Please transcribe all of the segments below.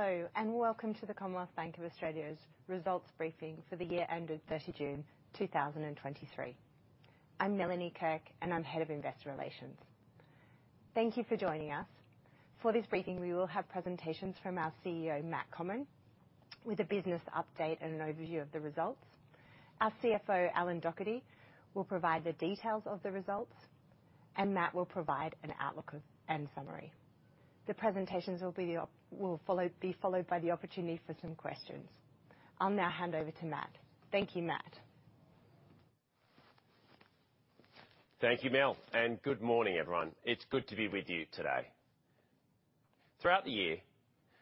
Hello, welcome to the Commonwealth Bank of Australia's results briefing for the year ended 30 June, 2023. I'm Melanie Kirk, I'm head of Investor Relations. Thank you for joining us. For this briefing, we will have presentations from our CEO, Matt Comyn, with a business update and an overview of the results. Our CFO, Alan Docherty, will provide the details of the results, Matt will provide an outlook of, and summary. The presentations will follow, be followed by the opportunity for some questions. I'll now hand over to Matt. Thank you, Matt. Thank you, Mel, and good morning, everyone. It's good to be with you today. Throughout the year,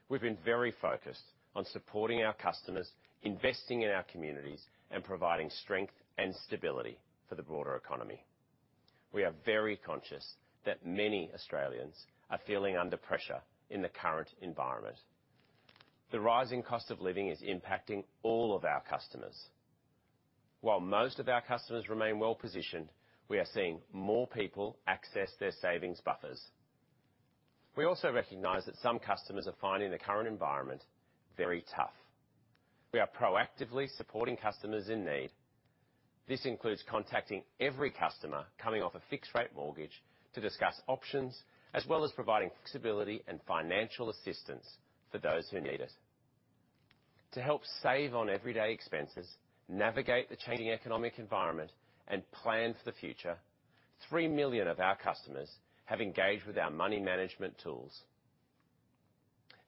we've been very focused on supporting our customers, investing in our communities, and providing strength and stability for the broader economy. We are very conscious that many Australians are feeling under pressure in the current environment. The rising cost of living is impacting all of our customers. While most of our customers remain well-positioned, we are seeing more people access their savings buffers. We also recognize that some customers are finding the current environment very tough. We are proactively supporting customers in need. This includes contacting every customer coming off a fixed-rate mortgage to discuss options, as well as providing flexibility and financial assistance for those who need it. To help save on everyday expenses, navigate the changing economic environment, and plan for the future, 3 million of our customers have engaged with our money management tools.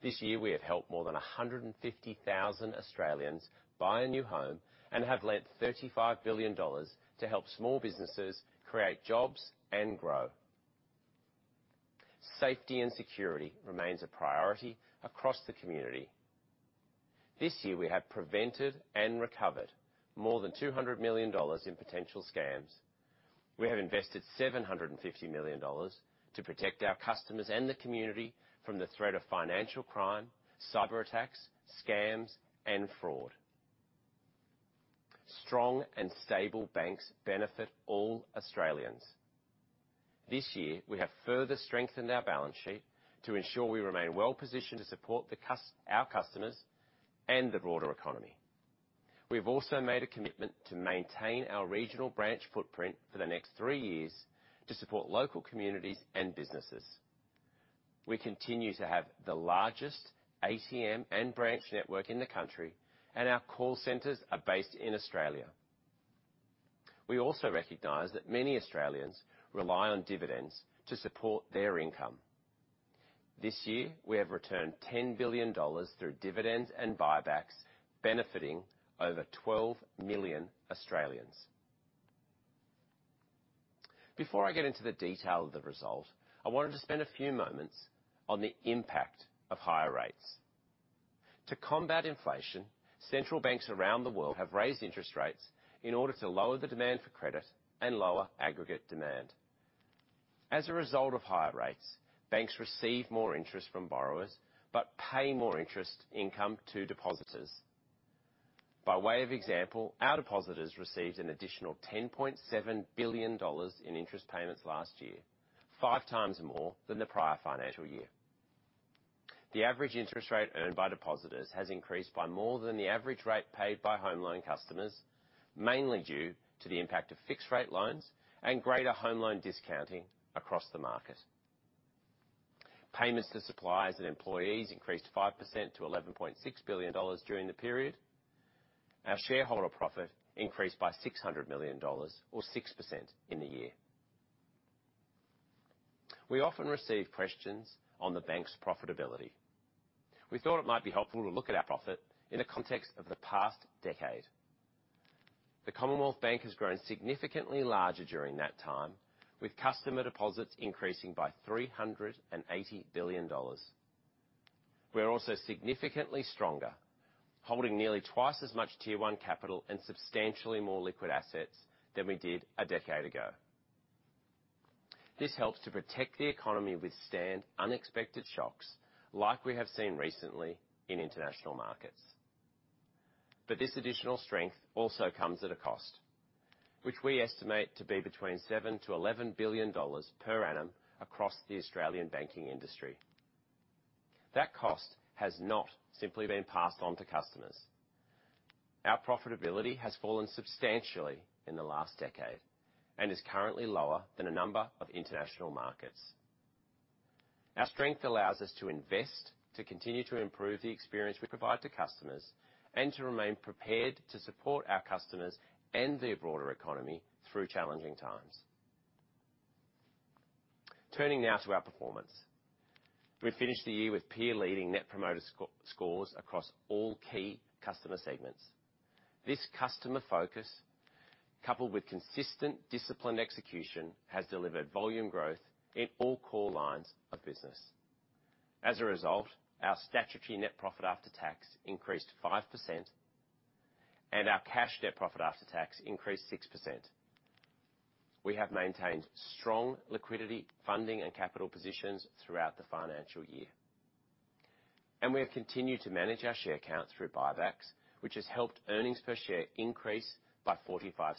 This year, we have helped more than 150,000 Australians buy a new home and have lent 35 billion dollars to help small businesses create jobs and grow. Safety and security remains a priority across the community. This year, we have prevented and recovered more than 200 million dollars in potential scams. We have invested 750 million dollars to protect our customers and the community from the threat of financial crime, cyberattacks, scams, and fraud. Strong and stable banks benefit all Australians. This year, we have further strengthened our balance sheet to ensure we remain well-positioned to support our customers and the broader economy. We have also made a commitment to maintain our regional branch footprint for the next three years to support local communities and businesses. We continue to have the largest ATM and branch network in the country, and our call centers are based in Australia. We also recognize that many Australians rely on dividends to support their income. This year, we have returned 10 billion dollars through dividends and buybacks, benefiting over 12 million Australians. Before I get into the detail of the result, I wanted to spend a few moments on the impact of higher rates. To combat inflation, central banks around the world have raised interest rates in order to lower the demand for credit and lower aggregate demand. As a result of higher rates, banks receive more interest from borrowers, but pay more interest income to depositors. By way of example, our depositors received an additional 10.7 billion dollars in interest payments last year, 5 times more than the prior financial year. The average interest rate earned by depositors has increased by more than the average rate paid by home loan customers, mainly due to the impact of fixed-rate loans and greater home loan discounting across the market. Payments to suppliers and employees increased 5% to 11.6 billion dollars during the period. Our shareholder profit increased by 600 million dollars, or 6% in the year. We often receive questions on the bank's profitability. We thought it might be helpful to look at our profit in the context of the past decade. The Commonwealth Bank has grown significantly larger during that time, with customer deposits increasing by 380 billion dollars. We are also significantly stronger, holding nearly twice as much Tier 1 capital and substantially more liquid assets than we did a decade ago. This helps to protect the economy withstand unexpected shocks, like we have seen recently in international markets. This additional strength also comes at a cost, which we estimate to be between 7 billion-11 billion dollars per annum across the Australian banking industry. That cost has not simply been passed on to customers. Our profitability has fallen substantially in the last decade and is currently lower than a number of international markets. Our strength allows us to invest, to continue to improve the experience we provide to customers, and to remain prepared to support our customers and the broader economy through challenging times. Turning now to our performance. We've finished the year with peer-leading Net Promoter Scores across all key customer segments. This customer focus, coupled with consistent, disciplined execution, has delivered volume growth in all core lines of business. As a result, our statutory net profit after tax increased 5%, and our cash net profit after tax increased 6%. We have maintained strong liquidity, funding, and capital positions throughout the financial year, we have continued to manage our share counts through buybacks, which has helped earnings per share increase by 0.45.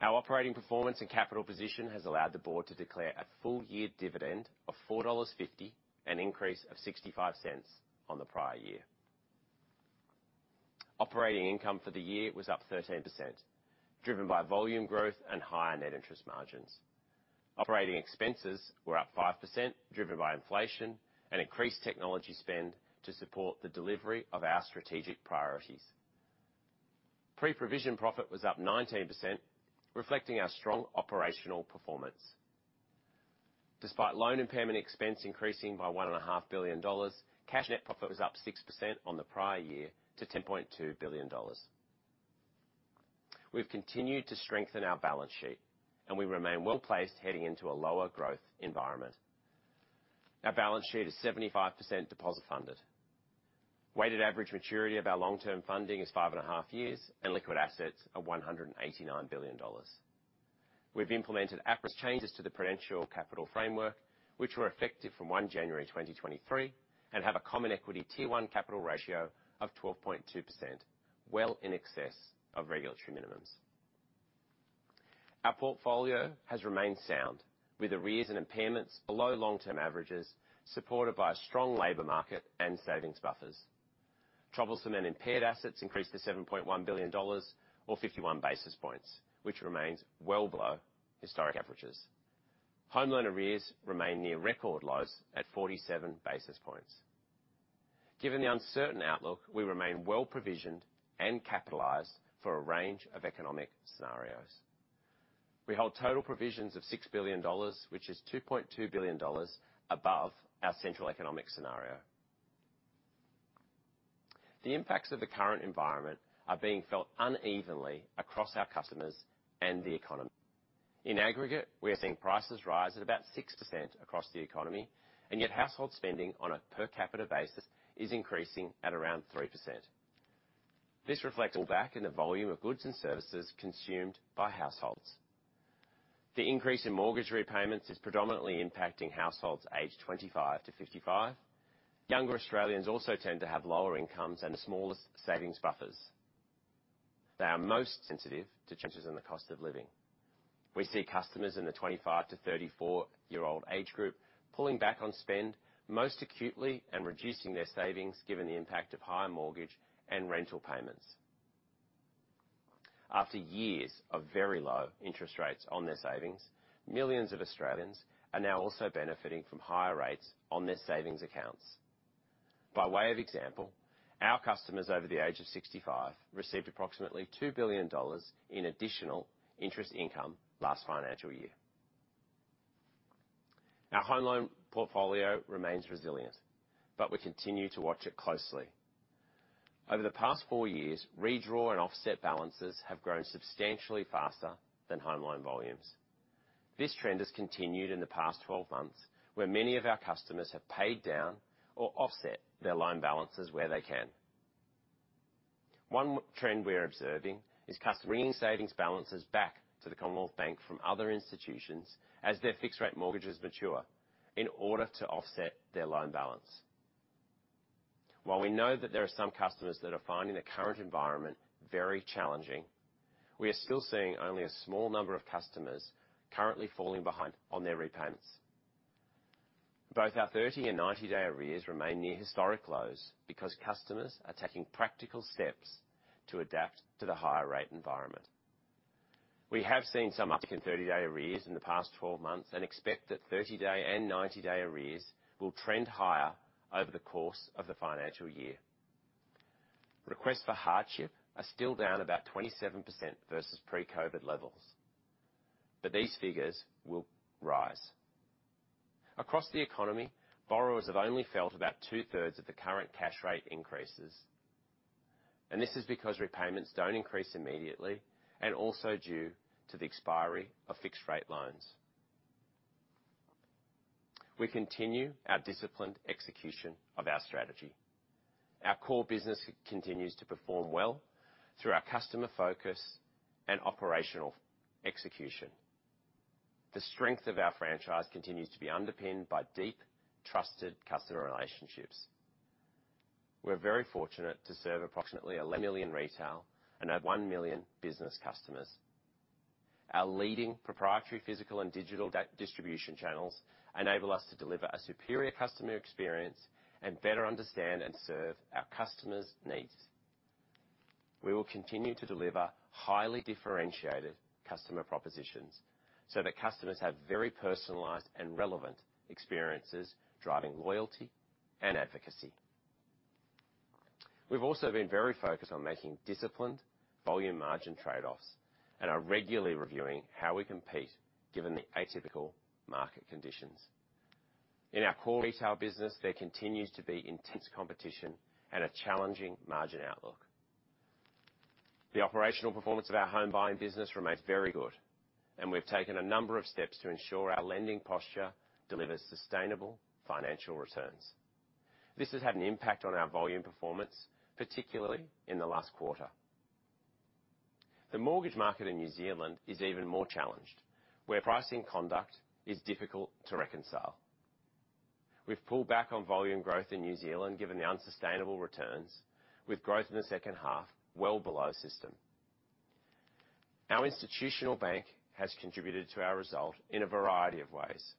Our operating performance and capital position has allowed the board to declare a full year dividend of 4.50 dollars, an increase of 0.65 on the prior year. Operating income for the year was up 13%, driven by volume growth and higher Net Interest Margins. Operating expenses were up 5%, driven by inflation and increased technology spend to support the delivery of our strategic priorities. Pre-provision profit was up 19%, reflecting our strong operational performance. Despite loan impairment expense increasing by 1.5 billion dollars, cash net profit was up 6% on the prior year to 10.2 billion dollars. We've continued to strengthen our balance sheet, and we remain well-placed, heading into a lower growth environment. Our balance sheet is 75% deposit funded. Weighted average maturity of our long-term funding is 5.5 years, and liquid assets are 189 billion dollars. We've implemented APRA's changes to the Prudential Capital Framework, which were effective from January 1, 2023, and have a Common Equity Tier 1 capital ratio of 12.2%, well in excess of regulatory minimums. Our portfolio has remained sound, with arrears and impairments below long-term averages, supported by a strong labor market and savings buffers. Troublesome and impaired assets increased to 7.1 billion dollars, or 51 basis points, which remains well below historic averages. Home loan arrears remain near record lows at 47 basis points. Given the uncertain outlook, we remain well-provisioned and capitalized for a range of economic scenarios. We hold total provisions of 6 billion dollars, which is 2.2 billion dollars above our central economic scenario. The impacts of the current environment are being felt unevenly across our customers and the economy. In aggregate, we are seeing prices rise at about 6% across the economy, yet household spending on a per capita basis is increasing at around 3%. This reflects back in the volume of goods and services consumed by households. The increase in mortgage repayments is predominantly impacting households aged 25-55. Younger Australians also tend to have lower incomes and the smallest savings buffers. They are most sensitive to changes in the cost of living. We see customers in the 25- to 34-year-old age group pulling back on spend, most acutely, and reducing their savings, given the impact of higher mortgage and rental payments. After years of very low interest rates on their savings, millions of Australians are now also benefiting from higher rates on their savings accounts. By way of example, our customers over the age of 65 received approximately 2 billion dollars in additional interest income last financial year. Our home loan portfolio remains resilient, but we continue to watch it closely. Over the past four years, redraw and offset balances have grown substantially faster than home loan volumes. This trend has continued in the past 12 months, where many of our customers have paid down or offset their loan balances where they can. One trend we are observing is customers bringing savings balances back to the Commonwealth Bank from other institutions as their fixed-rate mortgages mature, in order to offset their loan balance. While we know that there are some customers that are finding the current environment very challenging, we are still seeing only a small number of customers currently falling behind on their repayments. Both our 30 and 90-day arrears remain near historic lows because customers are taking practical steps to adapt to the higher rate environment. We have seen some up in 30-day arrears in the past 12 months and expect that 30-day and 90-day arrears will trend higher over the course of the financial year. Requests for hardship are still down about 27% versus pre-COVID levels, but these figures will rise. Across the economy, borrowers have only felt about two-thirds of the current cash rate increases, and this is because repayments don't increase immediately and also due to the expiry of fixed-rate loans. We continue our disciplined execution of our strategy. Our core business continues to perform well through our customer focus and operational execution. The strength of our franchise continues to be underpinned by deep, trusted customer relationships. We're very fortunate to serve approximately 11 million retail and 1 million business customers. Our leading proprietary, physical and digital distribution channels enable us to deliver a superior customer experience and better understand and serve our customers' needs. We will continue to deliver highly differentiated customer propositions so that customers have very personalized and relevant experiences driving loyalty and advocacy. We've also been very focused on making disciplined volume margin trade-offs and are regularly reviewing how we compete, given the atypical market conditions. In our core retail business, there continues to be intense competition and a challenging margin outlook. The operational performance of our home buying business remains very good, and we've taken a number of steps to ensure our lending posture delivers sustainable financial returns. This has had an impact on our volume performance, particularly in the last quarter. The mortgage market in New Zealand is even more challenged, where pricing conduct is difficult to reconcile. We've pulled back on volume growth in New Zealand, given the unsustainable returns, with growth in the second half, well below system. Our institutional bank has contributed to our result in a variety of ways.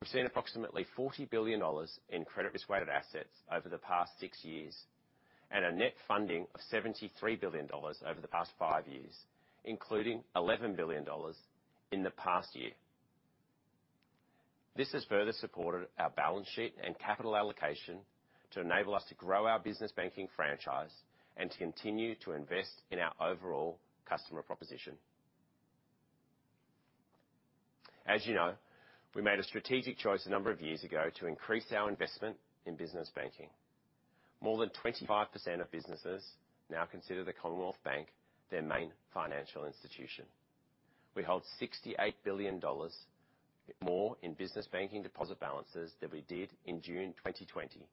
We've seen approximately 40 billion dollars in credit risk weighted assets over the past six years, and a net funding of 73 billion dollars over the past five years, including 11 billion dollars in the past year. This has further supported our balance sheet and capital allocation to enable us to grow our business banking franchise and to continue to invest in our overall customer proposition. As you know, we made a strategic choice a number of years ago to increase our investment in business banking. More than 25% of businesses now consider the Commonwealth Bank, their main financial institution. We hold 68 billion dollars more in business banking deposit balances than we did in June 2020,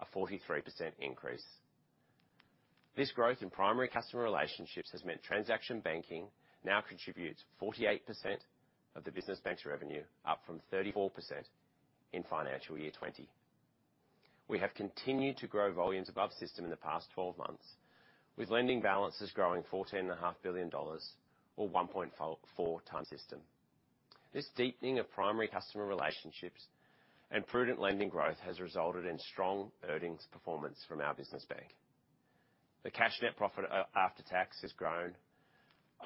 a 43% increase. This growth in primary customer relationships has meant transaction banking now contributes 48% of the business banking revenue, up from 34% in financial year 2020. We have continued to grow volumes above system in the past 12 months, with lending balances growing 14.5 billion dollars or 1.4 times system. This deepening of primary customer relationships and prudent lending growth has resulted in strong earnings performance from our business bank. The cash net profit after tax has grown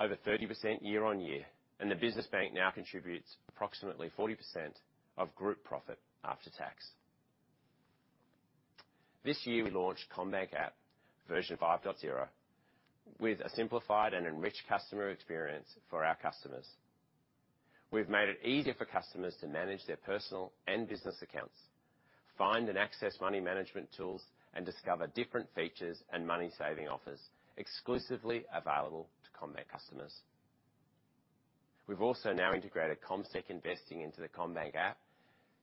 over 30% year-on-year. The business bank now contributes approximately 40% of group profit after tax. This year, we launched CommBank App version 5.0, with a simplified and enriched customer experience for our customers. We've made it easier for customers to manage their personal and business accounts, find and access money management tools, and discover different features and money-saving offers exclusively available to CommBank customers. We've also now integrated CommSec investing into the CommBank app,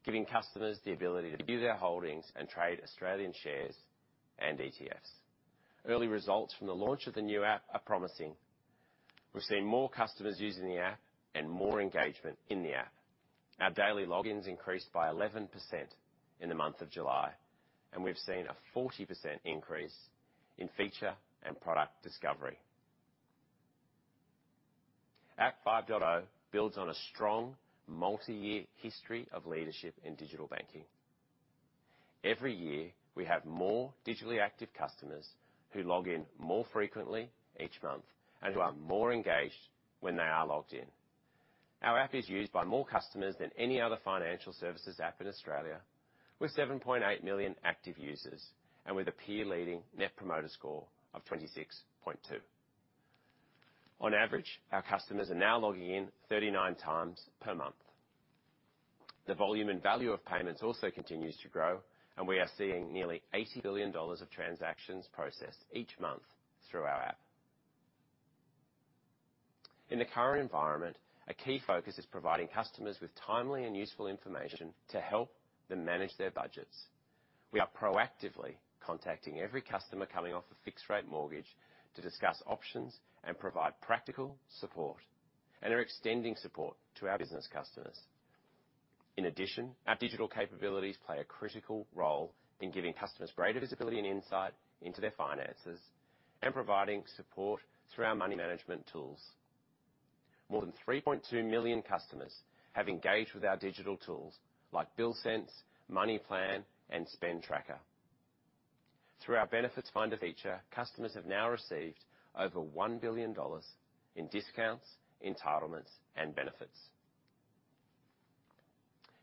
giving customers the ability to view their holdings and trade Australian shares and ETFs. Early results from the launch of the new app are promising. We've seen more customers using the app and more engagement in the app. Our daily logins increased by 11% in the month of July, and we've seen a 40% increase in feature and product discovery. App 5.0, builds on a strong multi-year history of leadership in digital banking. Every year, we have more digitally active customers who log in more frequently each month and who are more engaged when they are logged in. Our app is used by more customers than any other financial services app in Australia, with 7.8 million active users and with a peer-leading Net Promoter Score of 26.2. On average, our customers are now logging in 39 times per month. The volume and value of payments also continues to grow, and we are seeing nearly 80 billion dollars of transactions processed each month through our app. In the current environment, a key focus is providing customers with timely and useful information to help them manage their budgets. We are proactively contacting every customer coming off a fixed rate mortgage to discuss options and provide practical support, and are extending support to our business customers. In addition, our digital capabilities play a critical role in giving customers greater visibility and insight into their finances and providing support through our money management tools. More than 3.2 million customers have engaged with our digital tools like Bill Sense, Money Plan, and Spend Tracker. Through our Benefits Finder feature, customers have now received over 1 billion dollars in discounts, entitlements, and benefits.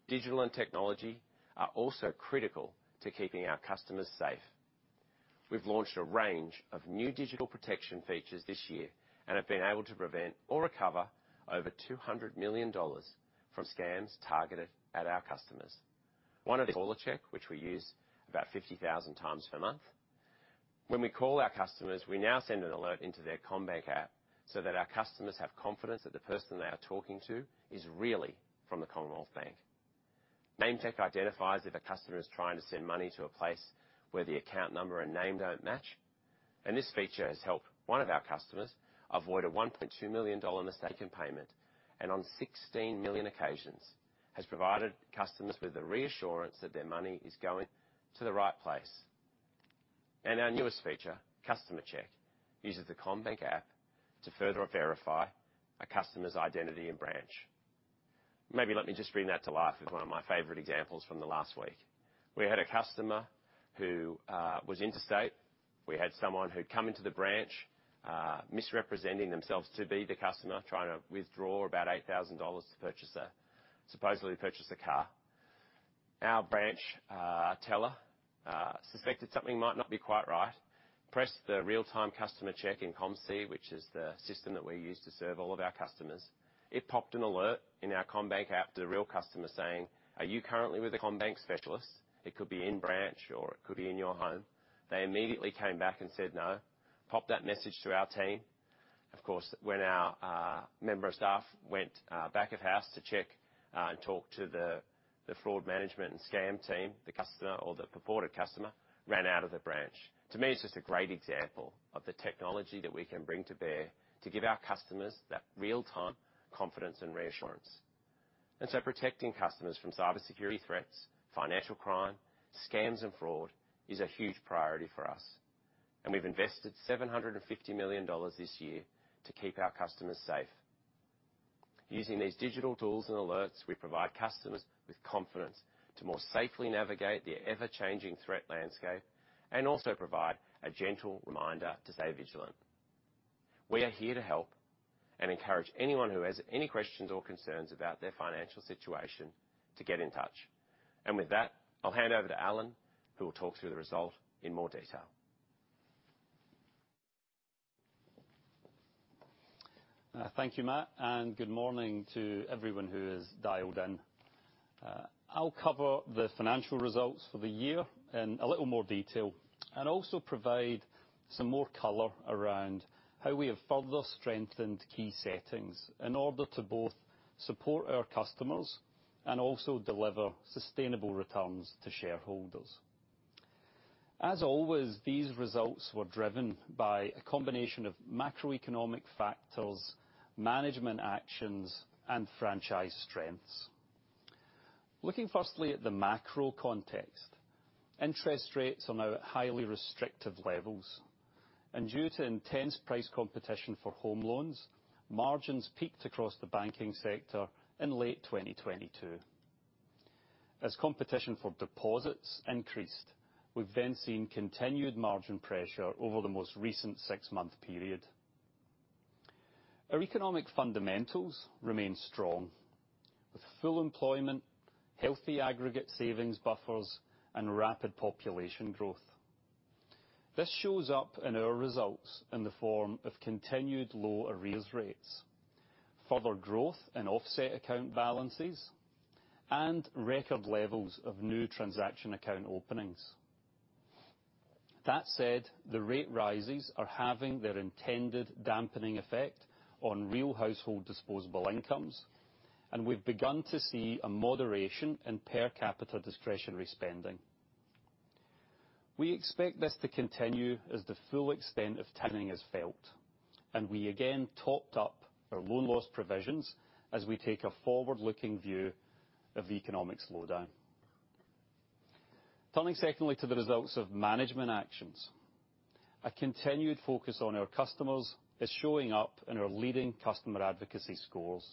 Digital and technology are also critical to keeping our customers safe. We've launched a range of new digital protection features this year and have been able to prevent or recover over 200 million dollars from scams targeted at our customers. One is CallerCheck, which we use about 50,000 times per month. When we call our customers, we now send an alert into their CommBank App, so that our customers have confidence that the person they are talking to is really from the Commonwealth Bank. NameCheck identifies if a customer is trying to send money to a place where the account number and name don't match, this feature has helped one of our customers avoid an 1.2 million dollar mistaken payment, and on 16 million occasions, has provided customers with the reassurance that their money is going to the right place. Our newest feature, CustomerCheck, uses the CommBank App to further verify a customer's identity and branch. Maybe let me just bring that to life with one of my favorite examples from the last week. We had a customer who was interstate. We had someone who'd come into the branch, misrepresenting themselves to be the customer, trying to withdraw about 8,000 dollars to supposedly purchase a car. Our branch teller suspected something might not be quite right. Pressed the real-time customer check in CommSee, which is the system that we use to serve all of our customers. It popped an alert in our CommBank App to the real customer saying, "Are you currently with a CommBank specialist? It could be in branch or it could be in your home." They immediately came back and said, "No." Popped that message to our team. Of course, when our member of staff went back of house to check and talked to the fraud management and scam team, the customer or the purported customer, ran out of the branch. To me, it's just a great example of the technology that we can bring to bear to give our customers that real-time confidence and reassurance. Protecting customers from cybersecurity threats, financial crime, scams, and fraud is a huge priority for us, and we've invested 750 million dollars this year to keep our customers safe. Using these digital tools and alerts, we provide customers with confidence to more safely navigate the ever-changing threat landscape and also provide a gentle reminder to stay vigilant. We are here to help, and encourage anyone who has any questions or concerns about their financial situation to get in touch. With that, I'll hand over to Alan, who will talk through the result in more detail. Thank you, Matt. Good morning to everyone who has dialed in. I'll cover the financial results for the year in a little more detail, also provide some more color around how we have further strengthened key settings in order to both support our customers and also deliver sustainable returns to shareholders. As always, these results were driven by a combination of macroeconomic factors, management actions, and franchise strengths. Looking firstly at the macro context, interest rates are now at highly restrictive levels, due to intense price competition for home loans, margins peaked across the banking sector in late 2022. As competition for deposits increased, we've then seen continued margin pressure over the most recent 6-month period. Our economic fundamentals remain strong, with full employment, healthy aggregate savings buffers, rapid population growth. This shows up in our results in the form of continued low arrears rates, further growth in offset account balances, and record levels of new transaction account openings. That said, the rate rises are having their intended dampening effect on real household disposable incomes, and we've begun to see a moderation in per capita discretionary spending. We expect this to continue as the full extent of tightening is felt, and we again topped up our loan loss provisions as we take a forward-looking view of the economic slowdown. Turning secondly to the results of management actions. A continued focus on our customers is showing up in our leading customer advocacy scores.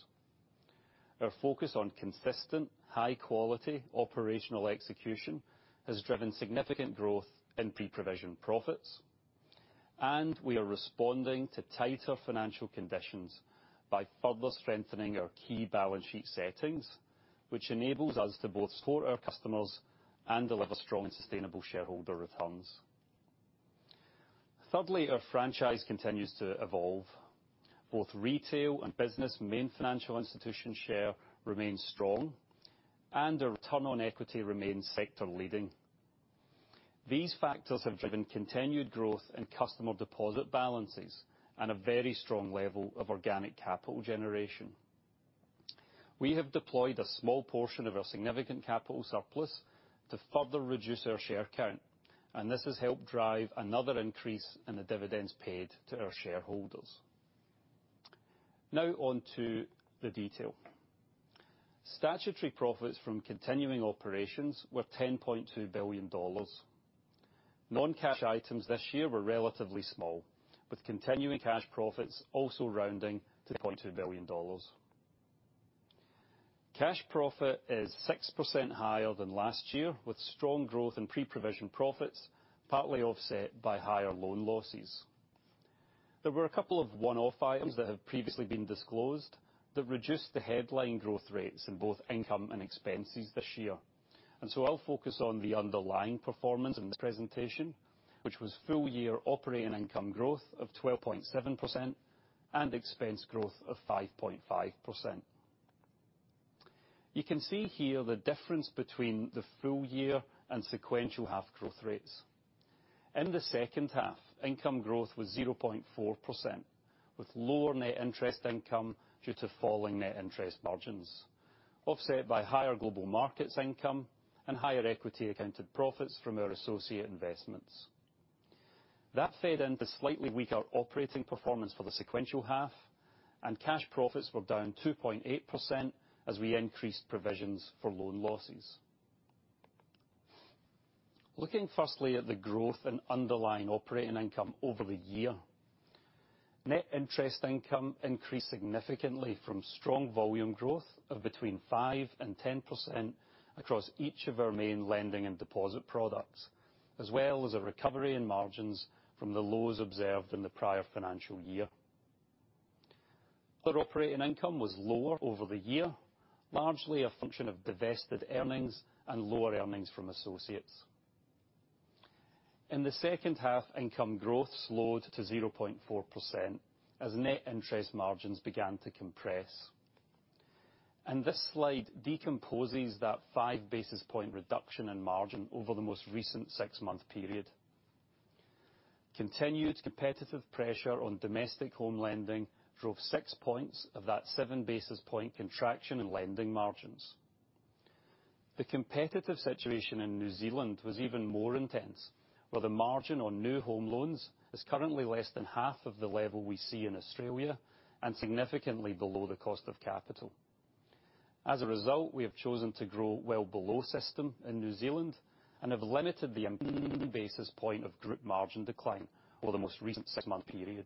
Our focus on consistent, high quality, operational execution has driven significant growth and pre-provision profits. We are responding to tighter financial conditions by further strengthening our key balance sheet settings, which enables us to both support our customers and deliver strong and sustainable shareholder returns. Thirdly, our franchise continues to evolve. Both retail and business main financial institution share remains strong, and our return on equity remains sector leading. These factors have driven continued growth in customer deposit balances and a very strong level of organic capital generation. We have deployed a small portion of our significant capital surplus to further reduce our share count, and this has helped drive another increase in the dividends paid to our shareholders. Now on to the detail. Statutory profits from continuing operations were 10.2 billion dollars. Non-cash items this year were relatively small, with continuing cash profits also rounding to 2.2 billion dollars. Cash profit is 6% higher than last year, with strong growth in pre-provision profits, partly offset by higher loan losses. There were a couple of one-off items that have previously been disclosed that reduced the headline growth rates in both income and expenses this year, and so I'll focus on the underlying performance in this presentation, which was full year operating income growth of 12.7% and expense growth of 5.5%. You can see here the difference between the full year and sequential half growth rates. In the second half, income growth was 0.4%, with lower net interest income due to falling net interest margins, offset by higher global markets income and higher equity accounted profits from our associate investments. That fed into slightly weaker operating performance for the sequential half, cash profits were down 2.8% as we increased provisions for loan losses. Looking firstly at the growth in underlying operating income over the year, Net Interest Income increased significantly from strong volume growth of between 5% and 10% across each of our main lending and deposit products, as well as a recovery in margins from the lows observed in the prior financial year. Third operating income was lower over the year, largely a function of divested earnings and lower earnings from associates. In the second half, income growth slowed to 0.4% as Net Interest Margins began to compress. This slide decomposes that 5 basis point reduction in margin over the most recent six-month period. Continued competitive pressure on domestic home lending drove 6 points of that 7 basis point contraction in lending margins. The competitive situation in New Zealand was even more intense, where the margin on new home loans is currently less than half of the level we see in Australia, and significantly below the cost of capital. As a result, we have chosen to grow well below system in New Zealand, and have limited the basis point of group margin decline over the most recent 6-month period.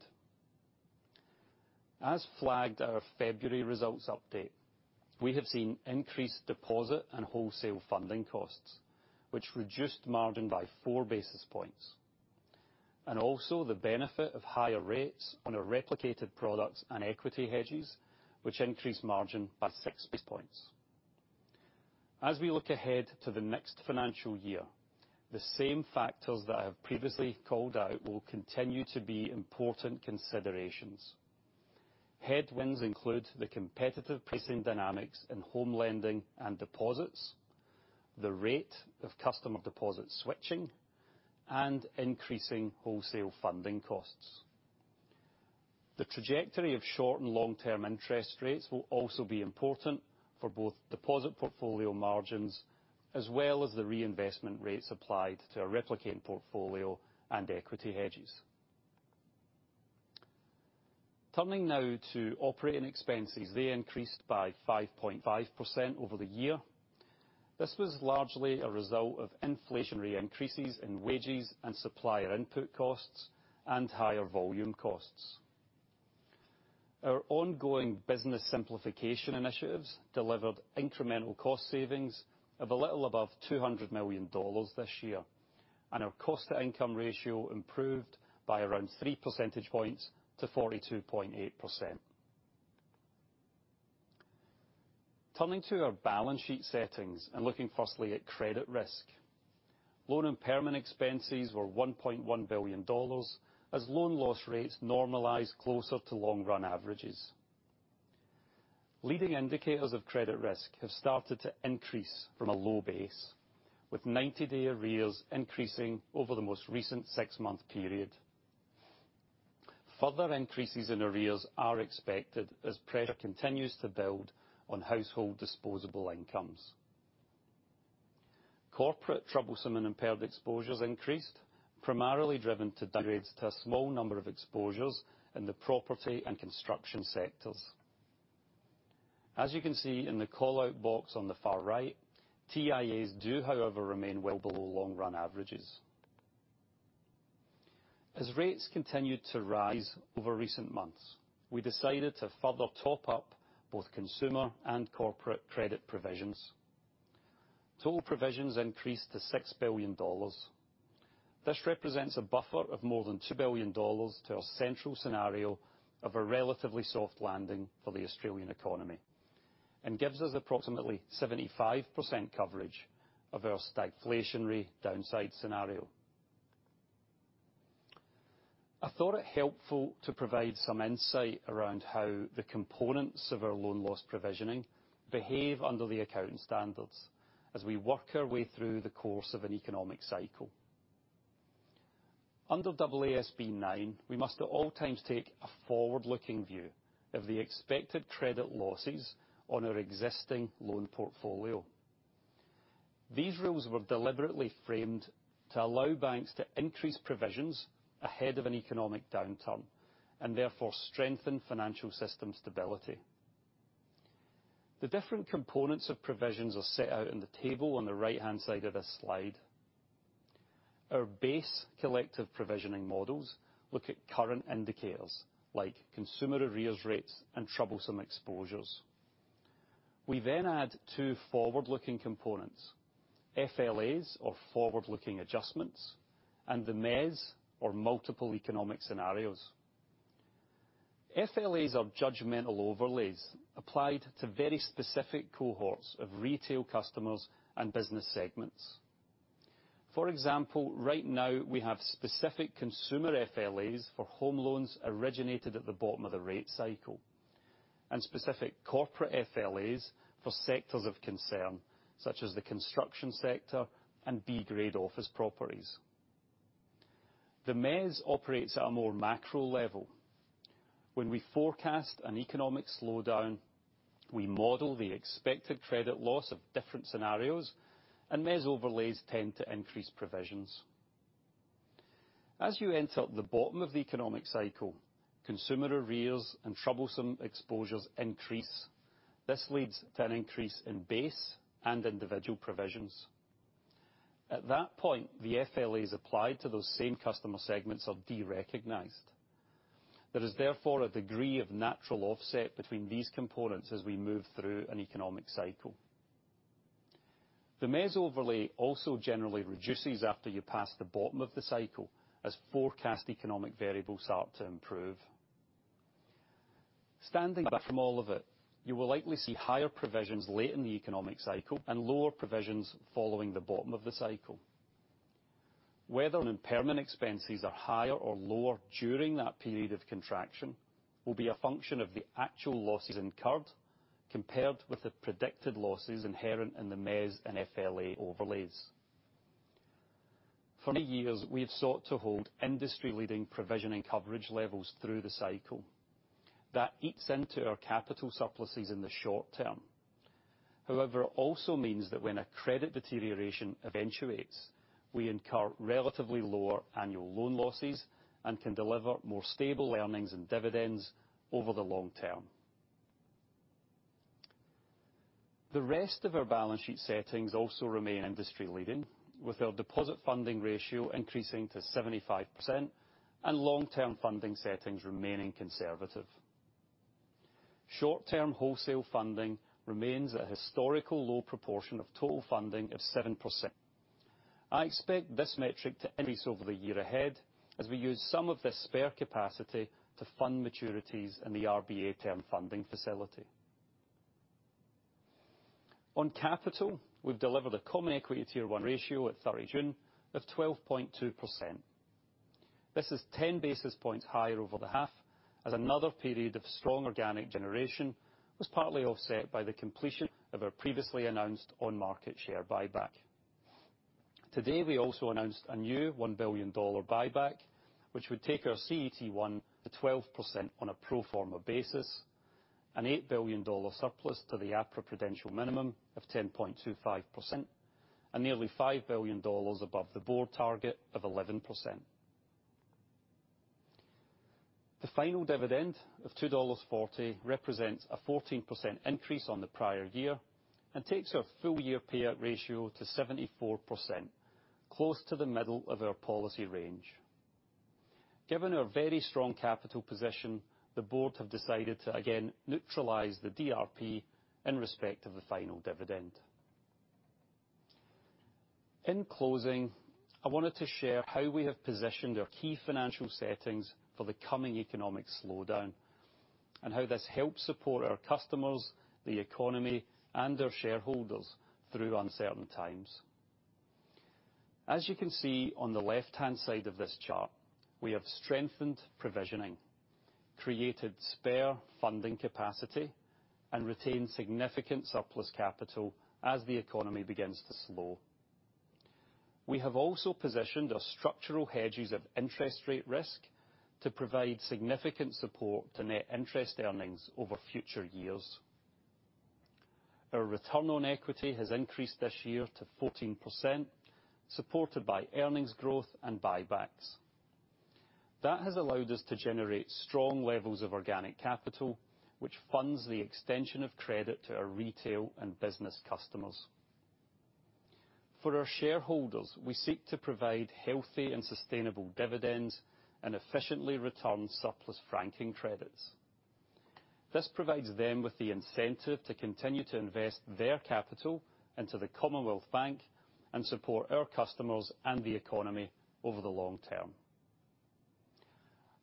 As flagged at our February results update, we have seen increased deposit and wholesale funding costs, which reduced margin by 4 basis points, and also the benefit of higher rates on our replicated products and equity hedges, which increased margin by 6 basis points. As we look ahead to the next financial year, the same factors that I have previously called out will continue to be important considerations. Headwinds include the competitive pricing dynamics in home lending and deposits, the rate of customer deposit switching, and increasing wholesale funding costs. The trajectory of short and long-term interest rates will also be important for both deposit portfolio margins, as well as the reinvestment rates applied to our replicating portfolio and equity hedges. Turning now to operating expenses. They increased by 5.5% over the year. This was largely a result of inflationary increases in wages and supplier input costs, and higher volume costs. Our ongoing business simplification initiatives delivered incremental cost savings of a little above 200 million dollars this year, and our cost-to-income ratio improved by around 3 percentage points to 42.8%. Turning to our balance sheet settings and looking firstly at credit risk. Loan impairment expenses were 1.1 billion dollars, as loan loss rates normalized closer to long-run averages. Leading indicators of credit risk have started to increase from a low base, with 90-day arrears increasing over the most recent six-month period. Further increases in arrears are expected as pressure continues to build on household disposable incomes. Corporate troublesome and impaired exposures increased, primarily driven to upgrades to a small number of exposures in the property and construction sectors. As you can see in the call-out box on the far right, TIAs do, however, remain well below long-run averages. As rates continued to rise over recent months, we decided to further top up both consumer and corporate credit provisions. Total provisions increased to 6 billion dollars. This represents a buffer of more than 2 billion dollars to our central scenario of a relatively soft landing for the Australian economy, gives us approximately 75% coverage of our stagflationary downside scenario. I thought it helpful to provide some insight around how the components of our loan loss provisioning behave under the accounting standards, as we work our way through the course of an economic cycle. Under AASB 9, we must at all times take a forward-looking view of the expected credit losses on our existing loan portfolio. These rules were deliberately framed to allow banks to increase provisions ahead of an economic downturn, and therefore strengthen financial system stability. The different components of provisions are set out in the table on the right-hand side of this slide. Our base collective provisioning models look at current indicators, like consumer arrears rates and troublesome exposures. We add two forward-looking components, FLAs, or forward-looking adjustments, and the MES, or multiple economic scenarios. FLAs are judgmental overlays applied to very specific cohorts of retail customers and business segments. For example, right now, we have specific consumer FLAs for home loans originated at the bottom of the rate cycle, and specific corporate FLAs for sectors of concern, such as the construction sector and B-grade office properties. The MES operates at a more macro level. When we forecast an economic slowdown, we model the expected credit loss of different scenarios, and MES overlays tend to increase provisions. As you enter the bottom of the economic cycle, consumer arrears and troublesome exposures increase. This leads to an increase in base and individual provisions. At that point, the FLAs applied to those same customer segments are derecognized. There is therefore a degree of natural offset between these components as we move through an economic cycle. The MES overlay also generally reduces after you pass the bottom of the cycle, as forecast economic variables start to improve. Standing back from all of it, you will likely see higher provisions late in the economic cycle and lower provisions following the bottom of the cycle. Whether impairment expenses are higher or lower during that period of contraction will be a function of the actual losses incurred, compared with the predicted losses inherent in the MES and FLA overlays. For many years, we have sought to hold industry-leading provisioning coverage levels through the cycle. That eats into our capital surpluses in the short term. It also means that when a credit deterioration eventuates, we incur relatively lower annual loan losses and can deliver more stable earnings and dividends over the long term. The rest of our balance sheet settings also remain industry leading, with our deposit funding ratio increasing to 75% and long-term funding settings remaining conservative. Short-term wholesale funding remains a historical low proportion of total funding of 7%. I expect this metric to increase over the year ahead, as we use some of this spare capacity to fund maturities in the RBA Term Funding Facility. On capital, we've delivered a Common Equity Tier 1 ratio at 30 June of 12.2%. This is 10 basis points higher over the half, as another period of strong organic generation was partly offset by the completion of our previously announced on-market share buyback. Today, we also announced a new 1 billion dollar buyback, which would take our CET1 to 12% on a pro forma basis, an 8 billion dollar surplus to the APRA prudential minimum of 10.25%, and nearly 5 billion dollars above the board target of 11%. The final dividend of 2.40 dollars represents a 14% increase on the prior year and takes our full year payout ratio to 74%, close to the middle of our policy range. Given our very strong capital position, the board have decided to again neutralize the DRP in respect of the final dividend. In closing, I wanted to share how we have positioned our key financial settings for the coming economic slowdown and how this helps support our customers, the economy, and our shareholders through uncertain times. As you can see on the left-hand side of this chart, we have strengthened provisioning, created spare funding capacity, and retained significant surplus capital as the economy begins to slow. We have also positioned our structural hedges of interest rate risk to provide significant support to net interest earnings over future years. Our return on equity has increased this year to 14%, supported by earnings growth and buybacks. That has allowed us to generate strong levels of organic capital, which funds the extension of credit to our retail and business customers. For our shareholders, we seek to provide healthy and sustainable dividends and efficiently return surplus franking credits. This provides them with the incentive to continue to invest their capital into the Commonwealth Bank and support our customers and the economy over the long term.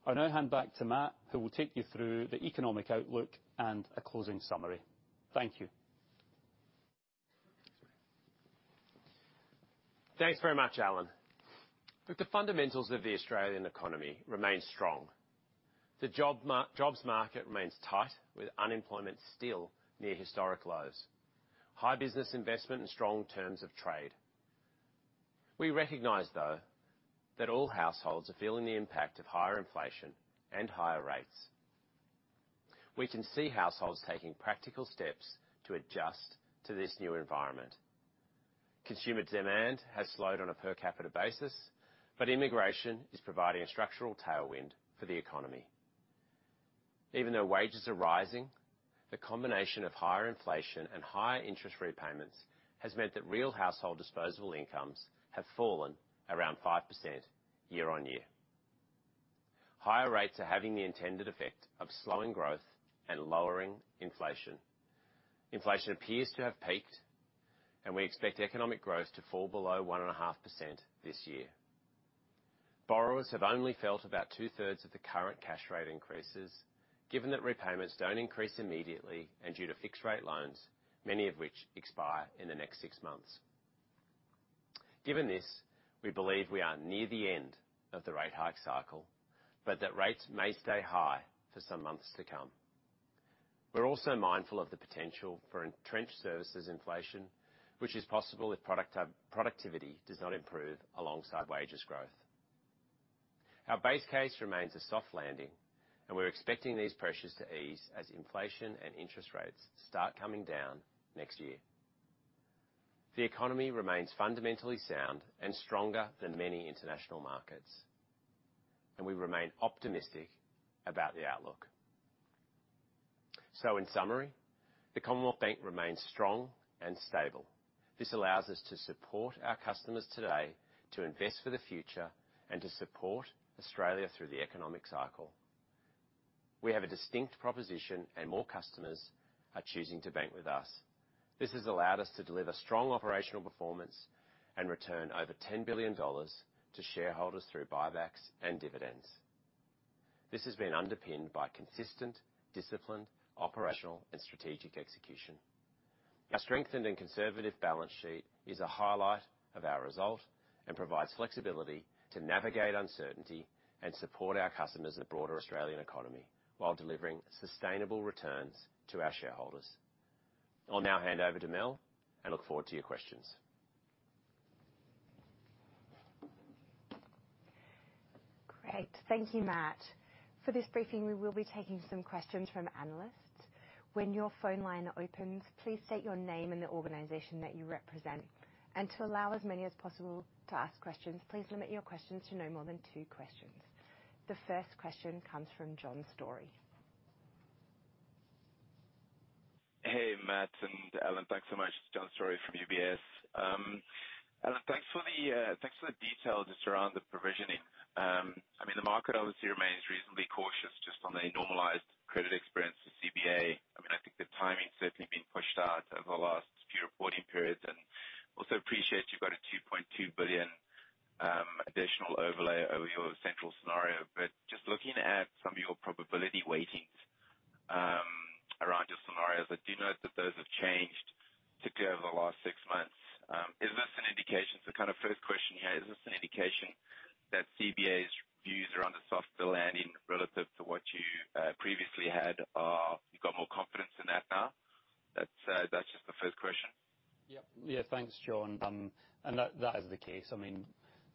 I'll now hand back to Matt, who will take you through the economic outlook and a closing summary. Thank you. Thanks very much, Alan. Look, the fundamentals of the Australian economy remain strong. The jobs market remains tight, with unemployment still near historic lows, high business investment, and strong terms of trade. We recognize, though, that all households are feeling the impact of higher inflation and higher rates. We can see households taking practical steps to adjust to this new environment. Consumer demand has slowed on a per capita basis, but immigration is providing a structural tailwind for the economy. Even though wages are rising, the combination of higher inflation and higher interest rate payments has meant that real household disposable incomes have fallen around 5% year-on-year. Higher rates are having the intended effect of slowing growth and lowering inflation. Inflation appears to have peaked, and we expect economic growth to fall below 1.5% this year. Borrowers have only felt about two-thirds of the current cash rate increases, given that repayments don't increase immediately and due to fixed rate loans, many of which expire in the next 6 months. Given this, we believe we are near the end of the rate hike cycle, but that rates may stay high for some months to come. We're also mindful of the potential for entrenched services inflation, which is possible if productivity does not improve alongside wages growth. Our base case remains a soft landing, and we're expecting these pressures to ease as inflation and interest rates start coming down next year. The economy remains fundamentally sound and stronger than many international markets, and we remain optimistic about the outlook. In summary, the Commonwealth Bank remains strong and stable. This allows us to support our customers today, to invest for the future, and to support Australia through the economic cycle. We have a distinct proposition, and more customers are choosing to bank with us. This has allowed us to deliver strong operational performance and return over 10 billion dollars to shareholders through buybacks and dividends. This has been underpinned by consistent, disciplined, operational and strategic execution. Our strengthened and conservative balance sheet is a highlight of our result and provides flexibility to navigate uncertainty and support our customers in the broader Australian economy, while delivering sustainable returns to our shareholders. I'll now hand over to Mel, and look forward to your questions. Great. Thank you, Matt. For this briefing, we will be taking some questions from analysts. When your phone line opens, please state your name and the organization that you represent. To allow as many as possible to ask questions, please limit your questions to no more than two questions. The first question comes from John Storey. Hey, Matt and Alan. Thanks so much. John Storey from UBS. Alan, thanks for the details just around the provisioning. I mean, the market obviously remains reasonably cautious just on the normalized credit experience with CBA. I mean, I think the timing's certainly been pushed out over the last few reporting periods. Also appreciate you've got a 2.2 billion additional overlay over your central scenario. Just looking at some of your probability weightings around your scenarios, I do note that those have changed particularly over the last 6 months. Is this an indication-- kind of first question here, is this an indication that CBA's views around a softer landing relative to what you previously had, you've got more confidence in that now? That's just the first question. Yep. Yeah, thanks, John. That, that is the case. I mean,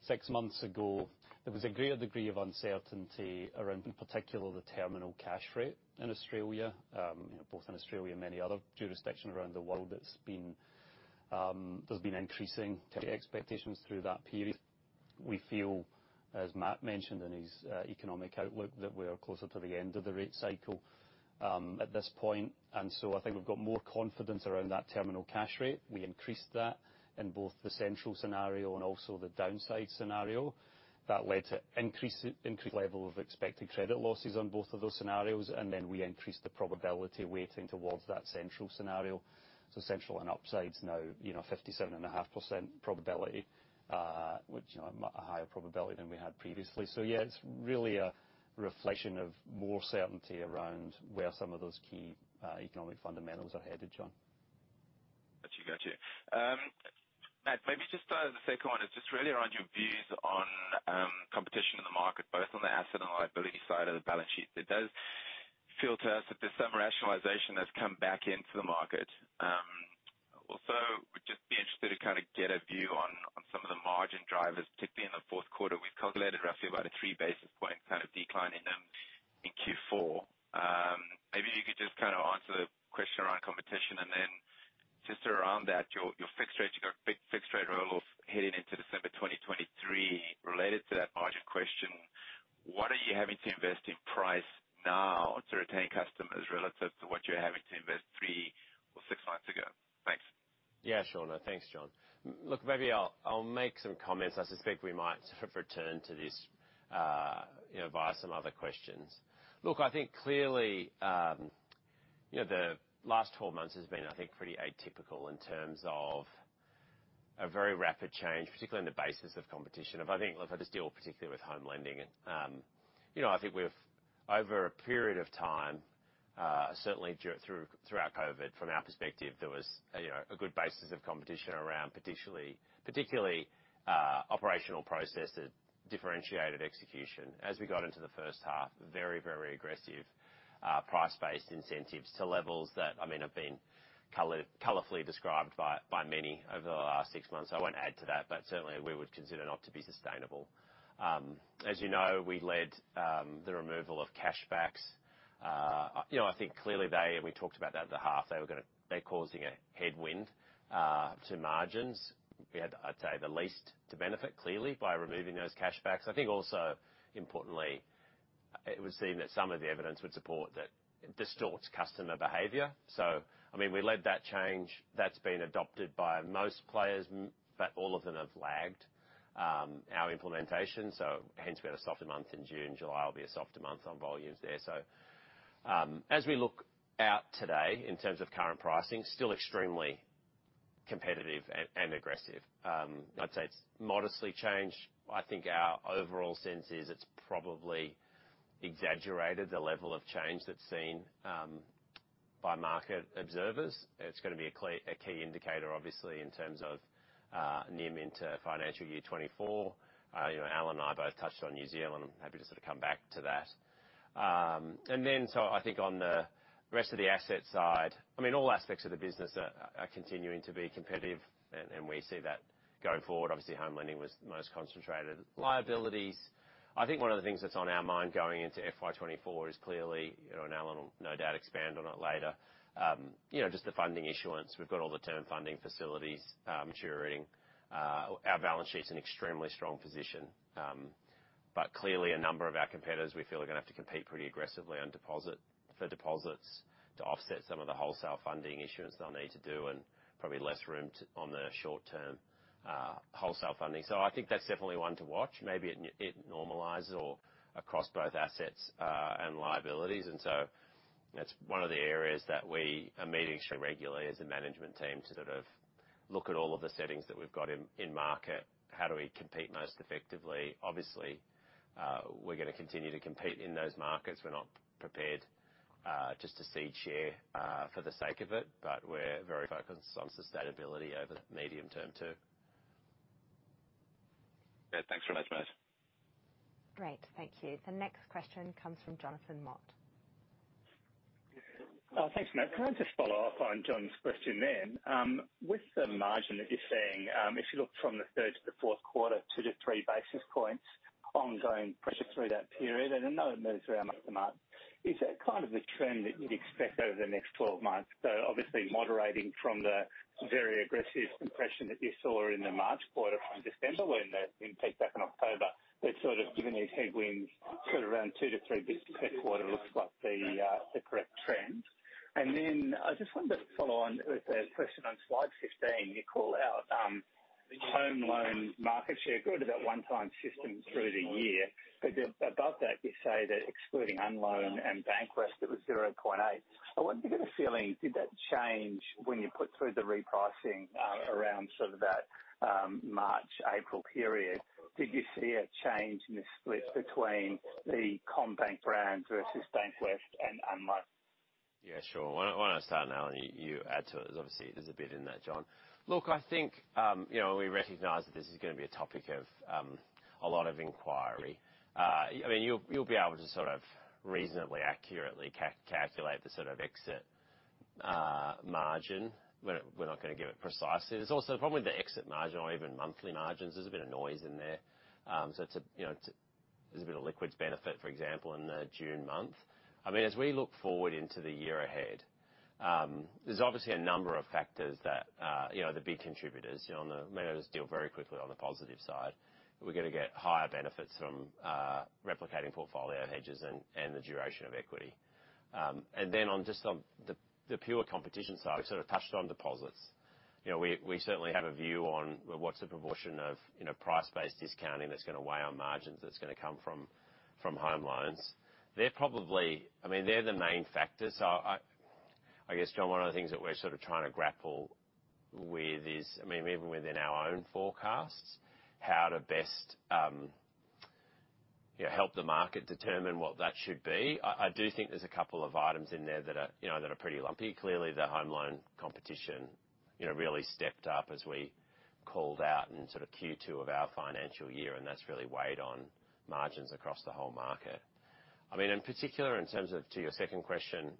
six months ago, there was a greater degree of uncertainty around, in particular, the terminal cash rate in Australia. You know, both in Australia and many other jurisdictions around the world, there's been increasing expectations through that period. We feel, as Matt mentioned in his economic outlook, that we are closer to the end of the rate cycle at this point. So I think we've got more confidence around that terminal cash rate. We increased that in both the central scenario and also the downside scenario. That led to increased level of expected credit losses on both of those scenarios, and then we increased the probability weighting towards that central scenario. Central and upside is now, you know, 57.5% probability, which, you know, a higher probability than we had previously. Yeah, it's really a reflection of more certainty around where some of those key economic fundamentals are headed, John. Got you, got you. Matt, maybe just, the second one is just really around your views on competition in the market, both on the asset and liability side of the balance sheet. It does feel to us that there's some rationalization that's come back into the market. Also, would just be interested to kind of get a view on, on some of the margin drivers, particularly in the fourth quarter. We've calculated roughly about a 3 basis point kind of decline in them in Q4. Maybe you could just kind of answer the question around competition, and then just around that, your, your fixed rate, your fixed rate renewals heading into December 2023. Related to that margin question, what are you having to invest in price now to retain customers relative to what you're having to invest 3 or 6 months ago? Thanks. Yeah, sure. No, thanks, John. Look, maybe I'll, I'll make some comments. I suspect we might sort of return to this, you know, via some other questions. Look, I think clearly, you know, the last 12 months has been, I think, pretty atypical in terms of a very rapid change, particularly in the basis of competition. I think, look, if I just deal particularly with home lending, you know, I think we've, over a period of time, certainly throughout COVID, from our perspective, there was a, you know, a good basis of competition around particularly, particularly, operational process that differentiated execution. As we got into the first half, very, very aggressive, price-based incentives to levels that, I mean, have been colorfully described by, by many over the last six months. I won't add to that. Certainly we would consider not to be sustainable. As you know, we led the removal of cashbacks. You know, I think clearly they, and we talked about that at the half, they're causing a headwind to margins. We had, I'd say, the least to benefit clearly by removing those cashbacks. I think also importantly, it was seen that some of the evidence would support that it distorts customer behavior. I mean, we led that change. That's been adopted by most players. All of them have lagged our implementation, so hence we had a softer month in June. July will be a softer month on volumes there. As we look out today in terms of current pricing, still extremely competitive and, and aggressive. I'd say it's modestly changed. I think our overall sense is it's probably exaggerated the level of change that's seen by market observers. It's gonna be a key indicator, obviously, in terms of NIM into financial year 2024. You know, Alan and I both touched on New Zealand. I'm happy to sort of come back to that. I think on the rest of the asset side, I mean, all aspects of the business are continuing to be competitive, and we see that going forward. Obviously, home lending was the most concentrated. Liabilities, I think one of the things that's on our mind going into FY 2024 is clearly, you know, and Alan will no doubt expand on it later, you know, just the funding issuance. We've got all the Term Funding Facility facilities maturing. Our balance sheet's in extremely strong position, clearly, a number of our competitors, we feel, are gonna have to compete pretty aggressively on deposit, for deposits to offset some of the wholesale funding issuance they'll need to do, and probably less room to, on the short term, wholesale funding. I think that's definitely one to watch. Maybe it normalizes or across both assets and liabilities. That's one of the areas that we are meeting extremely regularly as a management team to sort of look at all of the settings that we've got in, in market. How do we compete most effectively? Obviously, we're gonna continue to compete in those markets. We're not prepared just to cede share for the sake of it, but we're very focused on sustainability over the medium term, too. Yeah, thanks very much, Matt. Great. Thank you. The next question comes from Jonathan Mott. Thanks, Matt. Can I just follow up on John's question then? With the margin that you're seeing, if you look from the 3rd to the 4th quarter, 2-3 basis points ongoing pressure through that period, and I know it moves around month-to-month. Is that kind of the trend that you'd expect over the next 12 months? Obviously moderating from the very aggressive compression that you saw in the March quarter from December, when, in fact, back in October, it sort of given these headwinds sort of around 2-3 basis per quarter, looks like the correct trend. Then I just wanted to follow on with the question on slide 15. You call out home loan market share, good at that one-time system through the year. Above that, you say that excluding Unloan and Bankwest, it was 0.8. I wonder, do you get a feeling, did that change when you put through the repricing around sort of that March, April period? Did you see a change in the split between the CommBank brand versus Bankwest and Unloan? Yeah, sure. Why don't I start now, and you, you add to it? Obviously, there's a bit in that, John. Look, I think, you know, we recognize that this is going to be a topic of a lot of inquiry. I mean, you'll, you'll be able to sort of reasonably accurately calculate the sort of exit margin. We're not, we're not going to give it precisely. There's also, probably the exit margin or even monthly margins, there's a bit of noise in there. So it's a, you know, it's a, there's a bit of liquids benefit, for example, in the June month. I mean, as we look forward into the year ahead, there's obviously a number of factors that, you know, the big contributors. You know, may I just deal very quickly on the positive side. We're going to get higher benefits from replicating portfolio hedges and, and the duration of equity. Then on, just on the, the pure competition side, we sort of touched on deposits. You know, we, we certainly have a view on well, what's the proportion of, you know, price-based discounting that's going to weigh on margins, that's going to come from, from home loans. They're probably I mean, they're the main factors. I, I guess, John, one of the things that we're sort of trying to grapple with is, I mean, even within our own forecasts, how to best, you know, help the market determine what that should be. I, I do think there's a couple of items in there that are, you know, that are pretty lumpy. Clearly, the home loan competition, you know, really stepped up as we called out in sort of Q2 of our financial year, and that's really weighed on margins across the whole market. I mean, in particular, in terms of, to your second question,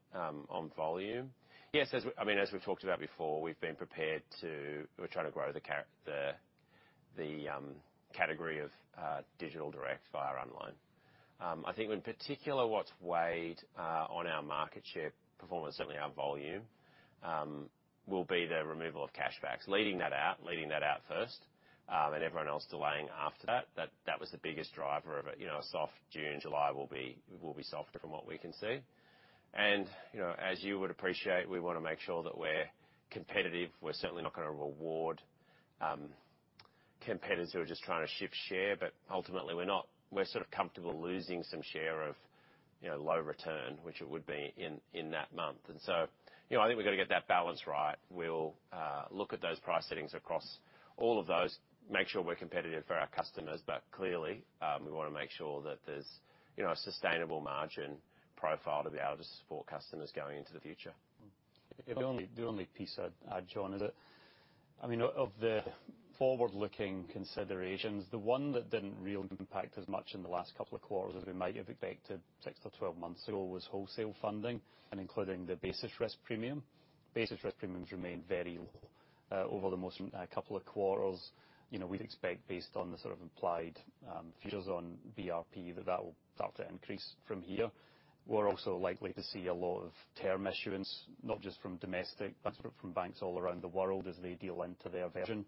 on volume. Yes, I mean, as we've talked about before, we've been prepared to. We're trying to grow the category of digital direct via online. I think in particular, what's weighed on our market share performance, certainly our volume, will be the removal of cash backs. Leading that out first, and everyone else delaying after that was the biggest driver of a, you know, a soft June, July will be softer from what we can see. you know, as you would appreciate, we want to make sure that we're competitive. We're certainly not going to reward, competitors who are just trying to shift share, but ultimately we're sort of comfortable losing some share of, you know, low return, which it would be in, in that month. you know, I think we've got to get that balance right. We'll look at those price settings across all of those, make sure we're competitive for our customers, but clearly, we want to make sure that there's, you know, a sustainable margin profile to be able to support customers going into the future. The only, the only piece I'd add, John, is that, I mean, of, of the forward-looking considerations, the one that didn't really impact as much in the last 2 quarters as we might have expected 6 to 12 months ago, was wholesale funding and including the basis risk premium. Basis risk premiums remain very low. Over the most 2 quarters, you know, we'd expect based on the sort of implied futures on BRP, that that will start to increase from here. We're also likely to see a lot of term issuance, not just from domestic, but from banks all around the world as they deal into their version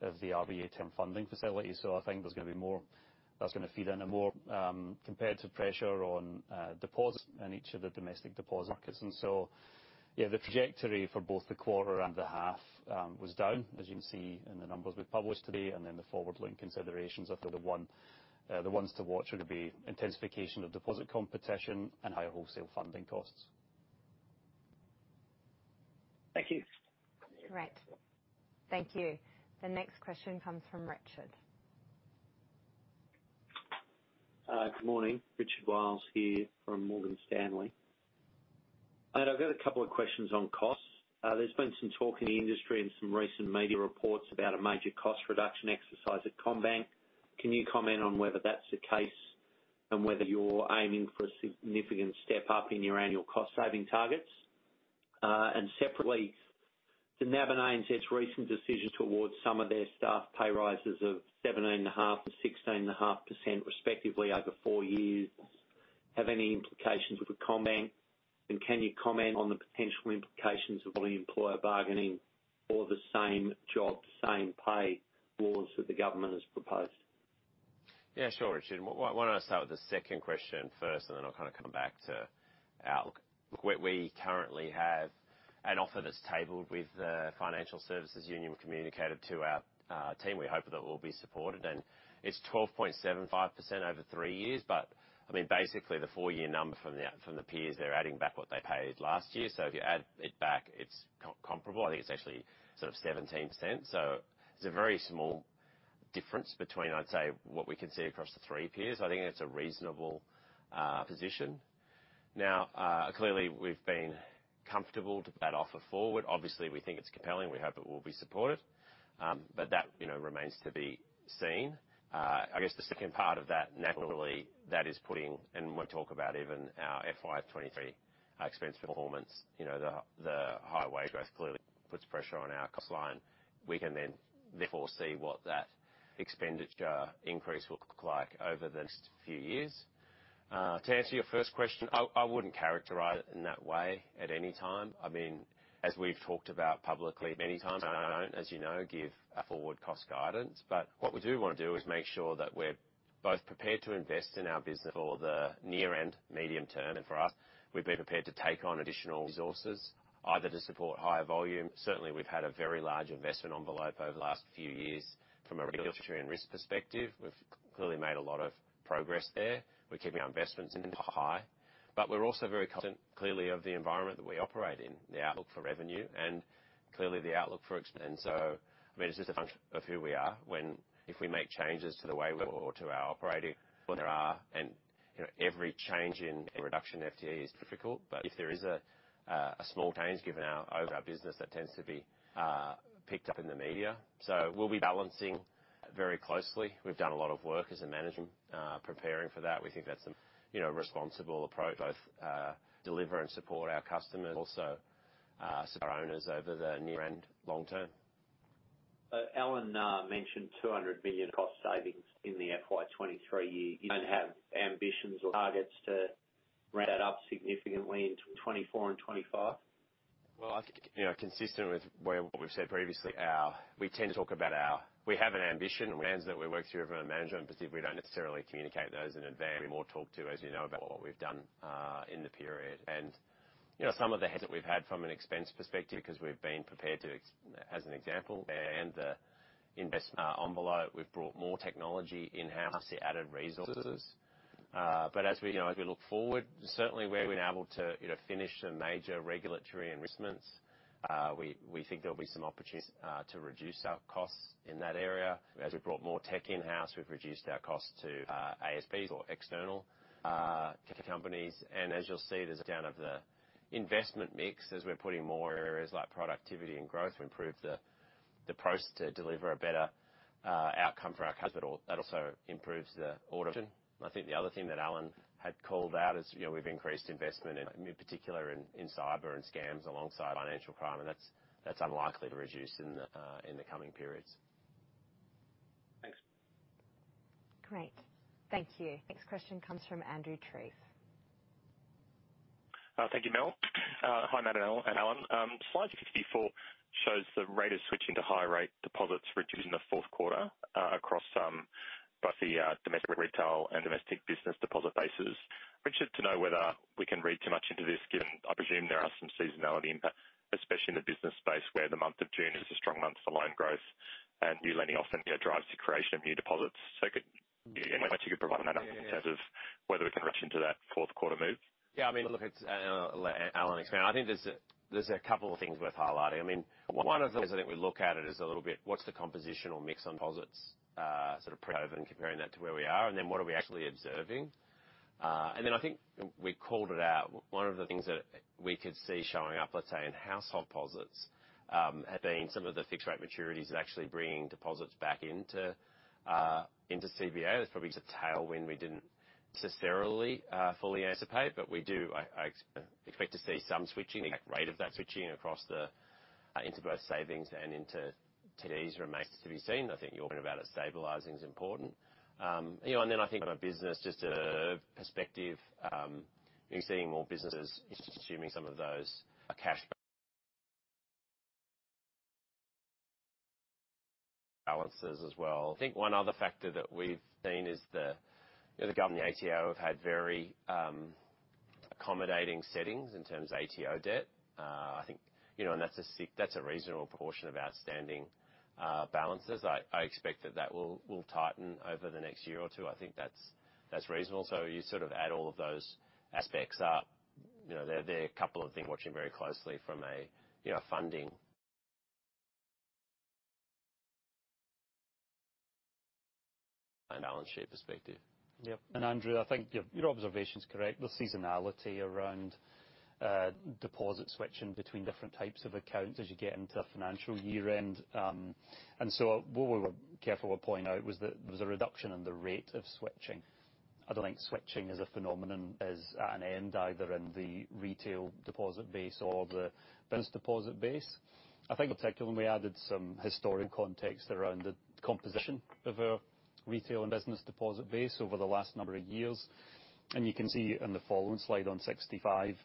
of the RBA Term Funding Facility. I think that's going to feed into more competitive pressure on deposits in each of the domestic deposit markets. Yeah, the trajectory for both the quarter and the half was down, as you can see in the numbers we've published today. The forward-looking considerations are sort of the ones to watch are to be intensification of deposit competition and higher wholesale funding costs. Thank you. Great. Thank you. The next question comes from Richard. Good morning, Richard Wiles here from Morgan Stanley. I've got a couple of questions on costs. There's been some talk in the industry and some recent media reports about a major cost reduction exercise at CommBank. Can you comment on whether that's the case and whether you're aiming for a significant step up in your annual cost saving targets? Separately, do NAB and ANZ's recent decision to award some of their staff pay rises of 17.5% and 16.5% respectively over 4 years, have any implications for the CommBank? Can you comment on the potential implications of the multi-employer bargaining or the Same Job, Same Pay laws that the government has proposed? Yeah, sure, Richard. Why, why don't I start with the second question first, and then I'll kind of come back to. We currently have an offer that's tabled with the Finance Sector Union, communicated to our team. We hope that it will be supported, and it's 12.75% over 3 years. I mean, basically, the 4-year number from the, from the peers, they're adding back what they paid last year. If you add it back, it's co-comparable. I think it's actually sort of 17%. It's a very small difference between, I'd say, what we can see across the 3 peers. I think it's a reasonable position. Clearly, we've comfortable to that offer forward. Obviously, we think it's compelling. We hope it will be supported, but that, you know, remains to be seen. I guess the second part of that, naturally, that is putting, when we talk about even our FY 2023 expense performance, you know, the, the higher wage growth clearly puts pressure on our cost line. We can then therefore see what that expenditure increase will look like over the next few years. To answer your first question, I, I wouldn't characterize it in that way at any time. I mean, as we've talked about publicly many times, I don't, as you know, give a forward cost guidance. What we do want to do is make sure that we're both prepared to invest in our business for the near and medium term, and for us, we've been prepared to take on additional resources, either to support higher volume. Certainly, we've had a very large investment envelope over the last few years from a regulatory and risk perspective. We've clearly made a lot of progress there. We're keeping our investments high, but we're also very confident, clearly, of the environment that we operate in, the outlook for revenue and clearly the outlook for expense. I mean, it's just a function of who we are when if we make changes to the way or, or to our operating, when there are, and, you know, every change in reduction in FTE is difficult. If there is a, a small change, given our, over our business, that tends to be, picked up in the media. We'll be balancing very closely. We've done a lot of work as a management, preparing for that. We think that's a, you know, responsible approach, both, deliver and support our customers, also, our owners over the near and long term. Alan mentioned 200 million cost savings in the FY 2023 year. You don't have ambitions or targets to ramp that up significantly into 2024 and 2025? Well, I think, you know, consistent with what we've said previously, our- we tend to talk about our... We have an ambition, and plans that we work through management, but we don't necessarily communicate those in advance. We more talk to, as you know, about what we've done in the period. And, you know, some of the heads that we've had from an expense perspective, because we've been prepared to, as an example, and the investment envelope, we've brought more technology in-house to added resources. But as we, you know, if we look forward, certainly, where we're able to, you know, finish some major regulatory investments, we, we think there'll be some opportunities to reduce our costs in that area. As we brought more tech in-house, we've reduced our costs to ASPs or external companies. As you'll see, there's a down of the investment mix, as we're putting more areas like productivity and growth to improve the, the process to deliver a better, outcome for our customers. That also improves the audit. I think the other thing that Alan had called out is, you know, we've increased investment, in particular in, in cyber and scams, alongside financial crime, and that's, that's unlikely to reduce in the, in the coming periods. Thanks. Great. Thank you. Next question comes from Andrew Triggs. Thank you, Mel. Hi, Matt and Alan. Slide 54 shows the rate of switching to higher rate deposits reduced in the fourth quarter, across both the domestic retail and domestic business deposit bases. I'm interested to know whether we can read too much into this, given I presume there are some seasonality impact, especially in the business space, where the month of June is a strong month for loan growth and new lending often, you know, drives the creation of new deposits. Could, anyone you could provide in terms of whether we can rush into that fourth quarter move? Yeah, I mean, look, it's Alan, I think there's a, there's a couple of things worth highlighting. I mean, one of the things I think we look at it is a little bit, what's the composition or mix on deposits, sort of, pre-COVID, and comparing that to where we are, and then what are we actually observing? Then I think we called it out. One of the things that we could see showing up, let's say, in household deposits, had been some of the fixed rate maturities is actually bringing deposits back into CBA. That's probably just a tailwind we didn't necessarily fully anticipate, but we do I expect to see some switching. The rate of that switching across the, into both savings and into TDs remains to be seen. I think you're right about it, stabilizing is important. You know, I think from a business, just a perspective, seeing more businesses assuming some of those cash balances as well. I think one other factor that we've seen is the, you know, the government, the ATO, have had very accommodating settings in terms of ATO debt. I think, you know, that's a reasonable proportion of outstanding balances. I expect that that will tighten over the next year or two. I think that's reasonable. You sort of add all of those aspects up. You know, there are a couple of things watching very closely from a, you know, funding and balance sheet perspective. Yeah. Andrew, I think your, your observation is correct. The seasonality around deposit switching between different types of accounts as you get into a financial year end. So what we were careful to point out was that there was a reduction in the rate of switching. I don't think switching as a phenomenon is at an end, either in the retail deposit base or the business deposit base. I think, particularly, when we added some historic context around the composition of our retail and business deposit base over the last number of years, and you can see in the following slide on 65,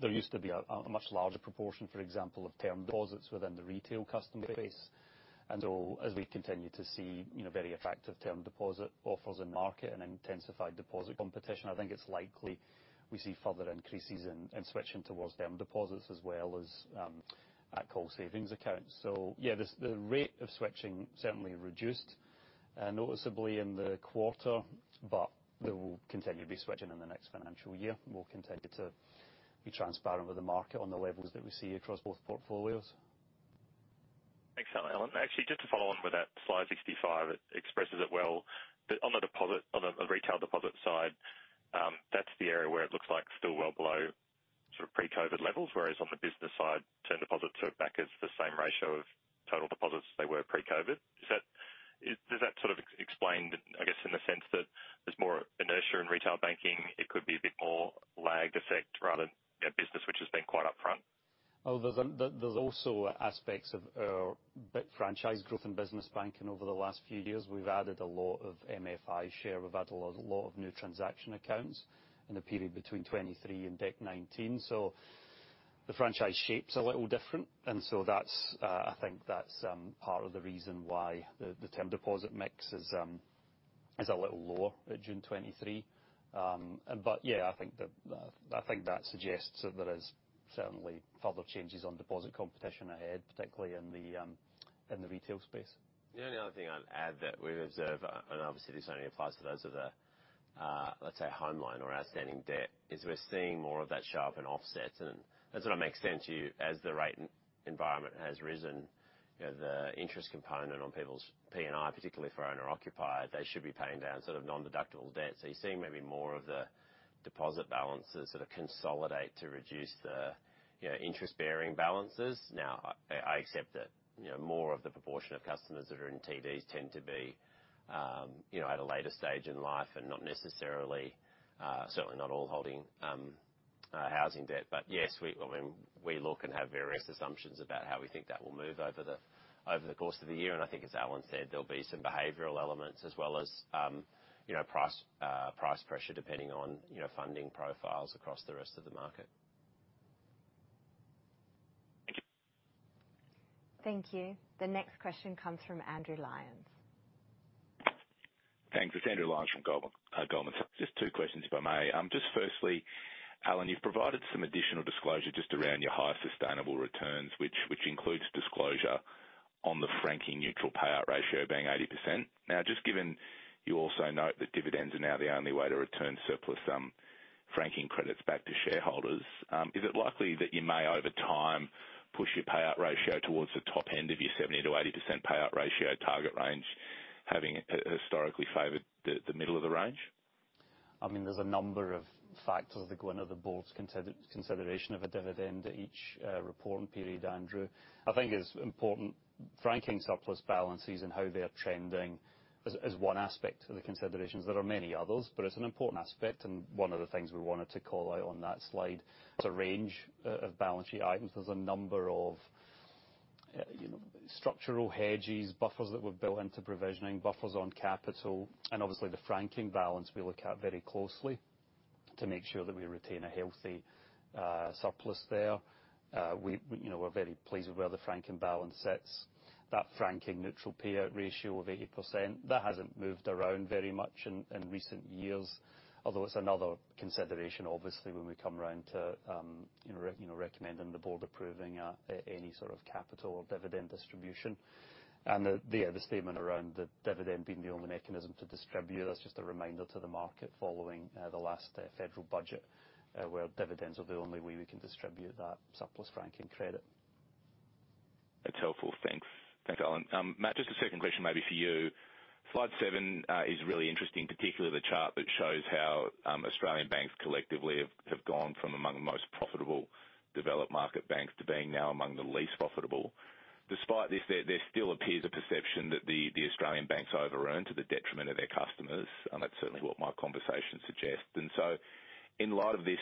there used to be a, a much larger proportion, for example, of term deposits within the retail customer base. As we continue to see, you know, very attractive term deposit offers in market and intensified deposit competition, I think it's likely we see further increases in, in switching towards term deposits as well as at call savings accounts. The rate of switching certainly reduced noticeably in the quarter, but there will continue to be switching in the next financial year. We'll continue to be transparent with the market on the levels that we see across both portfolios. Thanks, Alan. Actually, just to follow on with that, slide 65, it expresses it well, that on the deposit, on the, the retail deposit side, that's the area where it looks like still well below sort of pre-COVID levels, whereas on the business side, term deposits are back as the same ratio of total deposits they were pre-COVID. Does that sort of explained, I guess, in the sense that there's more inertia in retail banking, it could be a bit more lagged effect rather than business, which has been quite upfront? Well, there's also aspects of our franchise growth and business banking over the last few years. We've added a lot of MFI share. We've added a lot, lot of new transaction accounts in the period between 2023 and December 2019. The franchise shape's a little different, and so that's, I think that's part of the reason why the term deposit mix is a little lower at June 2023. Yeah, I think that, I think that suggests that there is certainly further changes on deposit competition ahead, particularly in the retail space. The only other thing I'd add that we observe, and obviously this only applies to those of the, let's say, home line or outstanding debt, is we're seeing more of that show up in offsets. Does that make sense to you? As the rate environment has risen, you know, the interest component on people's P&I, particularly for owner-occupied, they should be paying down sort of nondeductible debt. You're seeing maybe more of the deposit balances sort of consolidate to reduce the, you know, interest-bearing balances. Now, I, I accept that, you know, more of the proportion of customers that are in TDs tend to be, you know, at a later stage in life and not necessarily, certainly not all holding, housing debt. Yes, we, when we look and have various assumptions about how we think that will move over the, over the course of the year. I think as Alan said, there'll be some behavioral elements as well as, you know, price, price pressure, depending on, you know, funding profiles across the rest of the market. Thank you. Thank you. The next question comes from Andrew Lyons. Thanks. It's Andrew Lyons from Goldman Sachs. Just two questions, if I may. Just firstly, Alan, you've provided some additional disclosure just around your highest sustainable returns, which, which includes disclosure on the franking neutral payout ratio being 80%. Now, just given you also note that dividends are now the only way to return surplus franking credits back to shareholders, is it likely that you may, over time, push your payout ratio towards the top end of your 70%-80% payout ratio target range, having historically favored the middle of the range? I mean, there's a number of factors that go into the board's consideration of a dividend at each reporting period, Andrew. I think it's important, franking surplus balances and how they are trending is one aspect of the considerations. There are many others, but it's an important aspect, and one of the things we wanted to call out on that slide. There's a range of balance sheet items. There's a number of, you know, structural hedges, buffers that were built into provisioning, buffers on capital, and obviously, the franking balance we look at very closely to make sure that we retain a healthy surplus there. We, you know, we're very pleased with where the franking balance sits. That franking neutral payout ratio of 80%, that hasn't moved around very much in, in recent years, although it's another consideration, obviously, when we come around to, you know, you know, recommending the board approving any sort of capital or dividend distribution. The, the, the statement around the dividend being the only mechanism to distribute, that's just a reminder to the market following the last federal budget, where dividends are the only way we can distribute that surplus franking credit. That's helpful. Thanks. Thanks, Alan. Matt, just a second question maybe for you. Slide 7 is really interesting, particularly the chart that shows how Australian banks collectively have gone from among the most profitable developed market banks to being now among the least profitable. Despite this, there still appears a perception that the Australian banks overearnt to the detriment of their customers, and that's certainly what my conversations suggest. In light of this,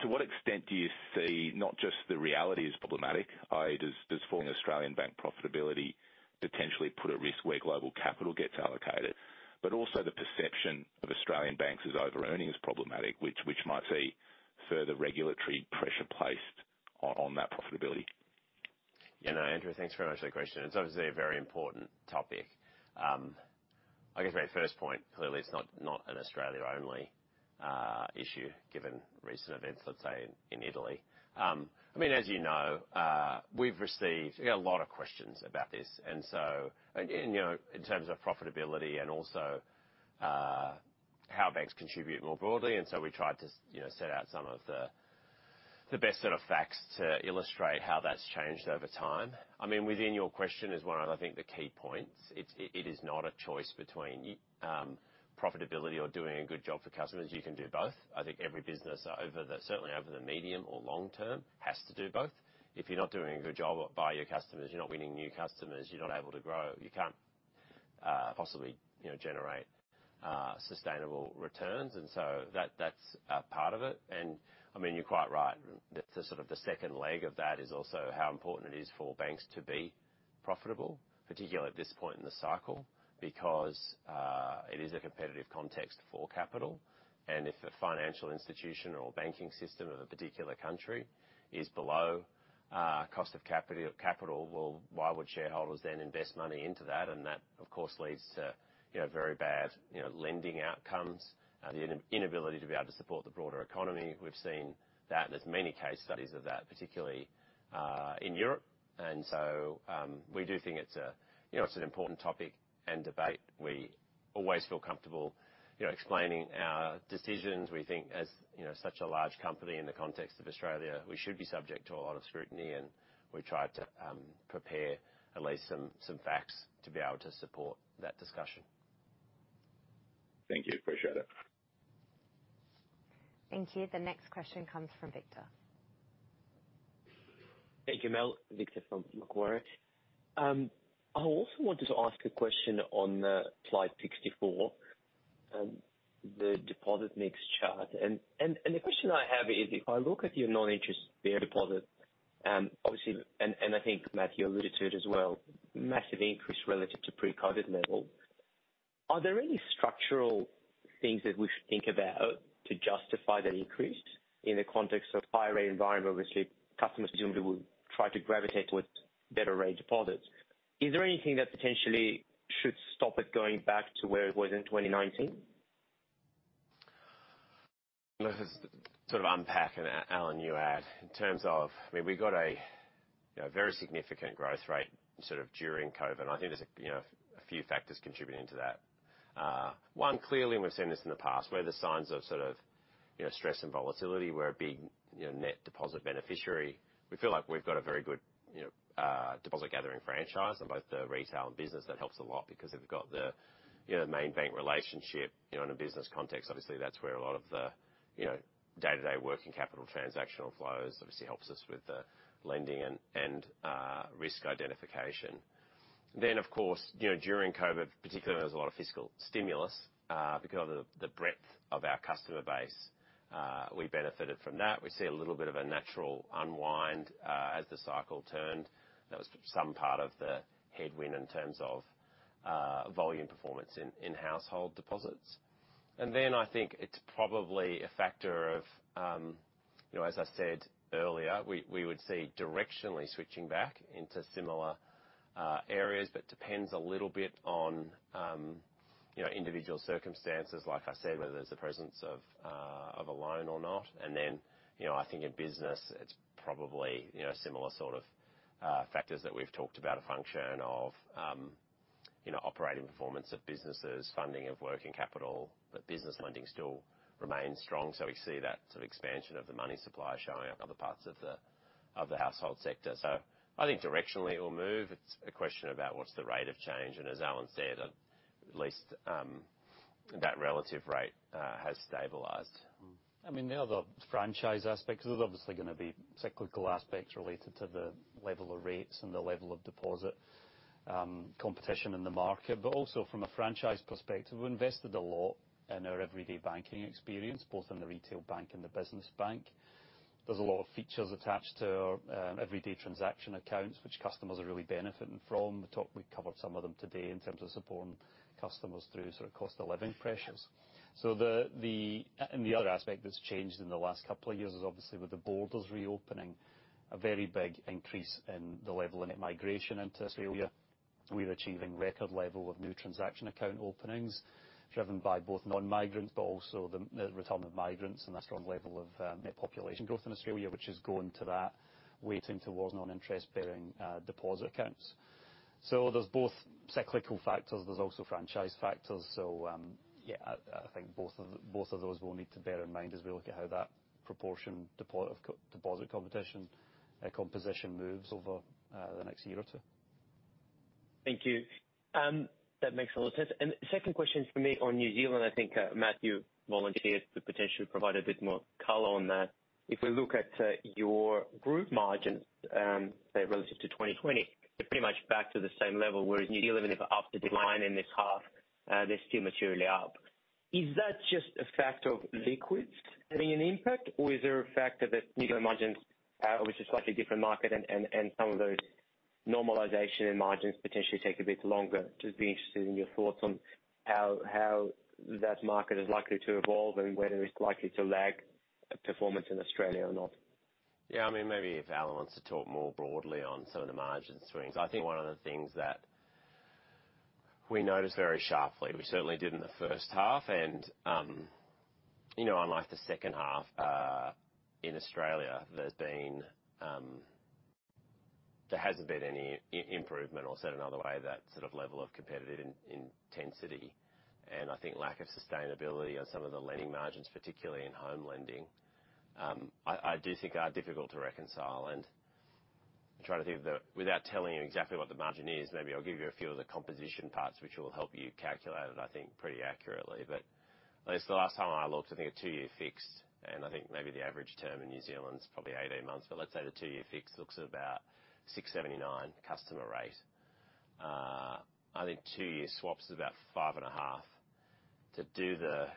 to what extent do you see not just the reality as problematic, i.e., does falling Australian bank profitability potentially put at risk where global capital gets allocated? Also the perception of Australian banks as overearning is problematic, which might see further regulatory pressure placed on that profitability. Yeah, no, Andrew, thanks very much for the question. It's obviously a very important topic. I guess my first point, clearly it's not, not an Australia-only issue, given recent events, let's say, in Italy. I mean, as you know, we've received, we get a lot of questions about this, and so. And, you know, in terms of profitability and also, how banks contribute more broadly, and so we tried to, you know, set out some of the, the best set of facts to illustrate how that's changed over time. I mean, within your question is one of, I think, the key points. It's, it, it is not a choice between profitability or doing a good job for customers. You can do both. I think every business over the, certainly over the medium or long term, has to do both. If you're not doing a good job by your customers, you're not winning new customers, you're not able to grow, you can't, possibly, you know, generate, sustainable returns, and so that, that's a part of it. I mean, you're quite right. The, the sort of the second leg of that is also how important it is for banks to be profitable, particularly at this point in the cycle, because, it is a competitive context for capital. If a financial institution or a banking system of a particular country is below, cost of capital, well, why would shareholders then invest money into that? That, of course, leads to, you know, very bad, you know, lending outcomes, the inability to be able to support the broader economy. We've seen that. There's many case studies of that, particularly, in Europe. We do think it's you know, it's an important topic and debate. We always feel comfortable, you know, explaining our decisions. We think as, you know, such a large company in the context of Australia, we should be subject to a lot of scrutiny, and we try to prepare at least some, some facts to be able to support that discussion. Thank you. Appreciate it. Thank you. The next question comes from Victor. Thank you, Mel. Victor from Macquarie. I also wanted to ask a question on slide 64, the deposit mix chart. The question I have is, if I look at your non-interest bearing deposit, obviously and I think, Matthew, you alluded to it as well, massive increase relative to pre-COVID levels. Are there any structural things that we should think about to justify the increase in the context of high rate environment? Obviously, customers presumably will try to gravitate towards better rate deposits. Is there anything that potentially should stop it going back to where it was in 2019? Let us sort of unpack, and, Alan, you add. In terms of, I mean, we got a, you know, very significant growth rate sort of during COVID, and I think there's, you know, a few factors contributing to that. One, clearly, we've seen this in the past, where the signs of sort of, you know, stress and volatility we're a big, you know, net deposit beneficiary. We feel like we've got a very good, you know, deposit gathering franchise in both the retail and business. That helps a lot because they've got the, you know, main bank relationship. You know, in a business context, obviously, that's where a lot of the, you know, day-to-day working capital transactional flows obviously helps us with the lending and, and, risk identification. Of course, you know, during COVID, particularly, there was a lot of fiscal stimulus. Because of the, the breadth of our customer base, we benefited from that. We see a little bit of a natural unwind as the cycle turned. That was some part of the headwind in terms of volume performance in household deposits. Then I think it's probably a factor of, you know, as I said earlier, we, we would see directionally switching back into similar areas, but depends a little bit on, you know, individual circumstances, like I said, whether there's a presence of a loan or not. Then, you know, I think in business, it's probably, you know, similar sort of factors that we've talked about, a function of, you know, operating performance of businesses, funding of working capital, but business lending still remains strong. We see that sort of expansion of the money supply showing up in other parts of the, of the household sector. I think directionally it will move. It's a question about what's the rate of change, and as Alan said, at least that relative rate has stabilized. I mean, there are the franchise aspects. There's obviously going to be cyclical aspects related to the level of rates and the level of deposit competition in the market. Also from a franchise perspective, we've invested a lot in our everyday banking experience, both in the retail bank and the business bank. There's a lot of features attached to our everyday transaction accounts, which customers are really benefiting from. We covered some of them today in terms of supporting customers through sort of cost of living pressures. The other aspect that's changed in the last couple of years is obviously with the borders reopening, a very big increase in the level of net migration into Australia. We're achieving record level of new transaction account openings, driven by both non-migrants, but also the, the return of migrants and a strong level of net population growth in Australia, which is going to that weighting towards non-interest bearing deposit accounts. There's both cyclical factors, there's also franchise factors. Yeah, I, I think both of, both of those we'll need to bear in mind as we look at how that proportion of deposit competition, composition moves over the next year or 2. Thank you. That makes a lot of sense. The second question for me on New Zealand, I think, Matthew volunteered to potentially provide a bit more color on that. If we look at, your group margins, say, relative to 2020, they're pretty much back to the same level, whereas New Zealand, even after the decline in this half, they're still materially up. Is that just a fact of liquids having an impact, or is there a factor that New Zealand margins, which is a slightly different market and, and, and some of those normalization in margins potentially take a bit longer? Just be interested in your thoughts on how, how that market is likely to evolve and whether it's likely to lag performance in Australia or not. Yeah, I mean, maybe if Alan wants to talk more broadly on some of the margin swings. I think one of the things that we noticed very sharply, we certainly did in the first half, and, you know, unlike the second half, in Australia, there's been... There hasn't been any improvement, or say it another way, that sort of level of competitive intensity, and I think lack of sustainability of some of the lending margins, particularly in home lending, I, I do think are difficult to reconcile. I'm trying to think of the, without telling you exactly what the margin is, maybe I'll give you a few of the composition parts, which will help you calculate it, I think, pretty accurately. At least the last time I looked, I think a 2-year fixed, and I think maybe the average term in New Zealand is probably 18 months, but let's say the 2-year fixed looks at about 6.79% customer rate. I think 2-year swaps is about 5.5%. To do the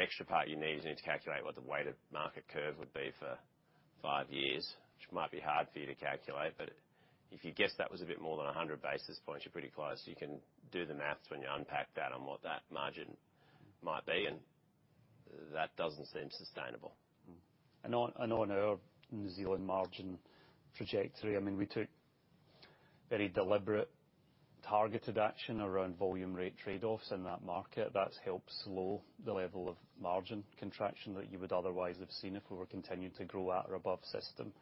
extra part, you need to calculate what the weighted market curve would be for 5 years, which might be hard for you to calculate, but if you guess that was a bit more than 100 basis points, you're pretty close. You can do the math when you unpack that on what that margin might be, and that doesn't seem sustainable. On our New Zealand margin trajectory, I mean, we took very deliberate, targeted action around volume rate trade-offs in that market. That's helped slow the level of margin contraction that you would otherwise have seen if we were continuing to grow at or above system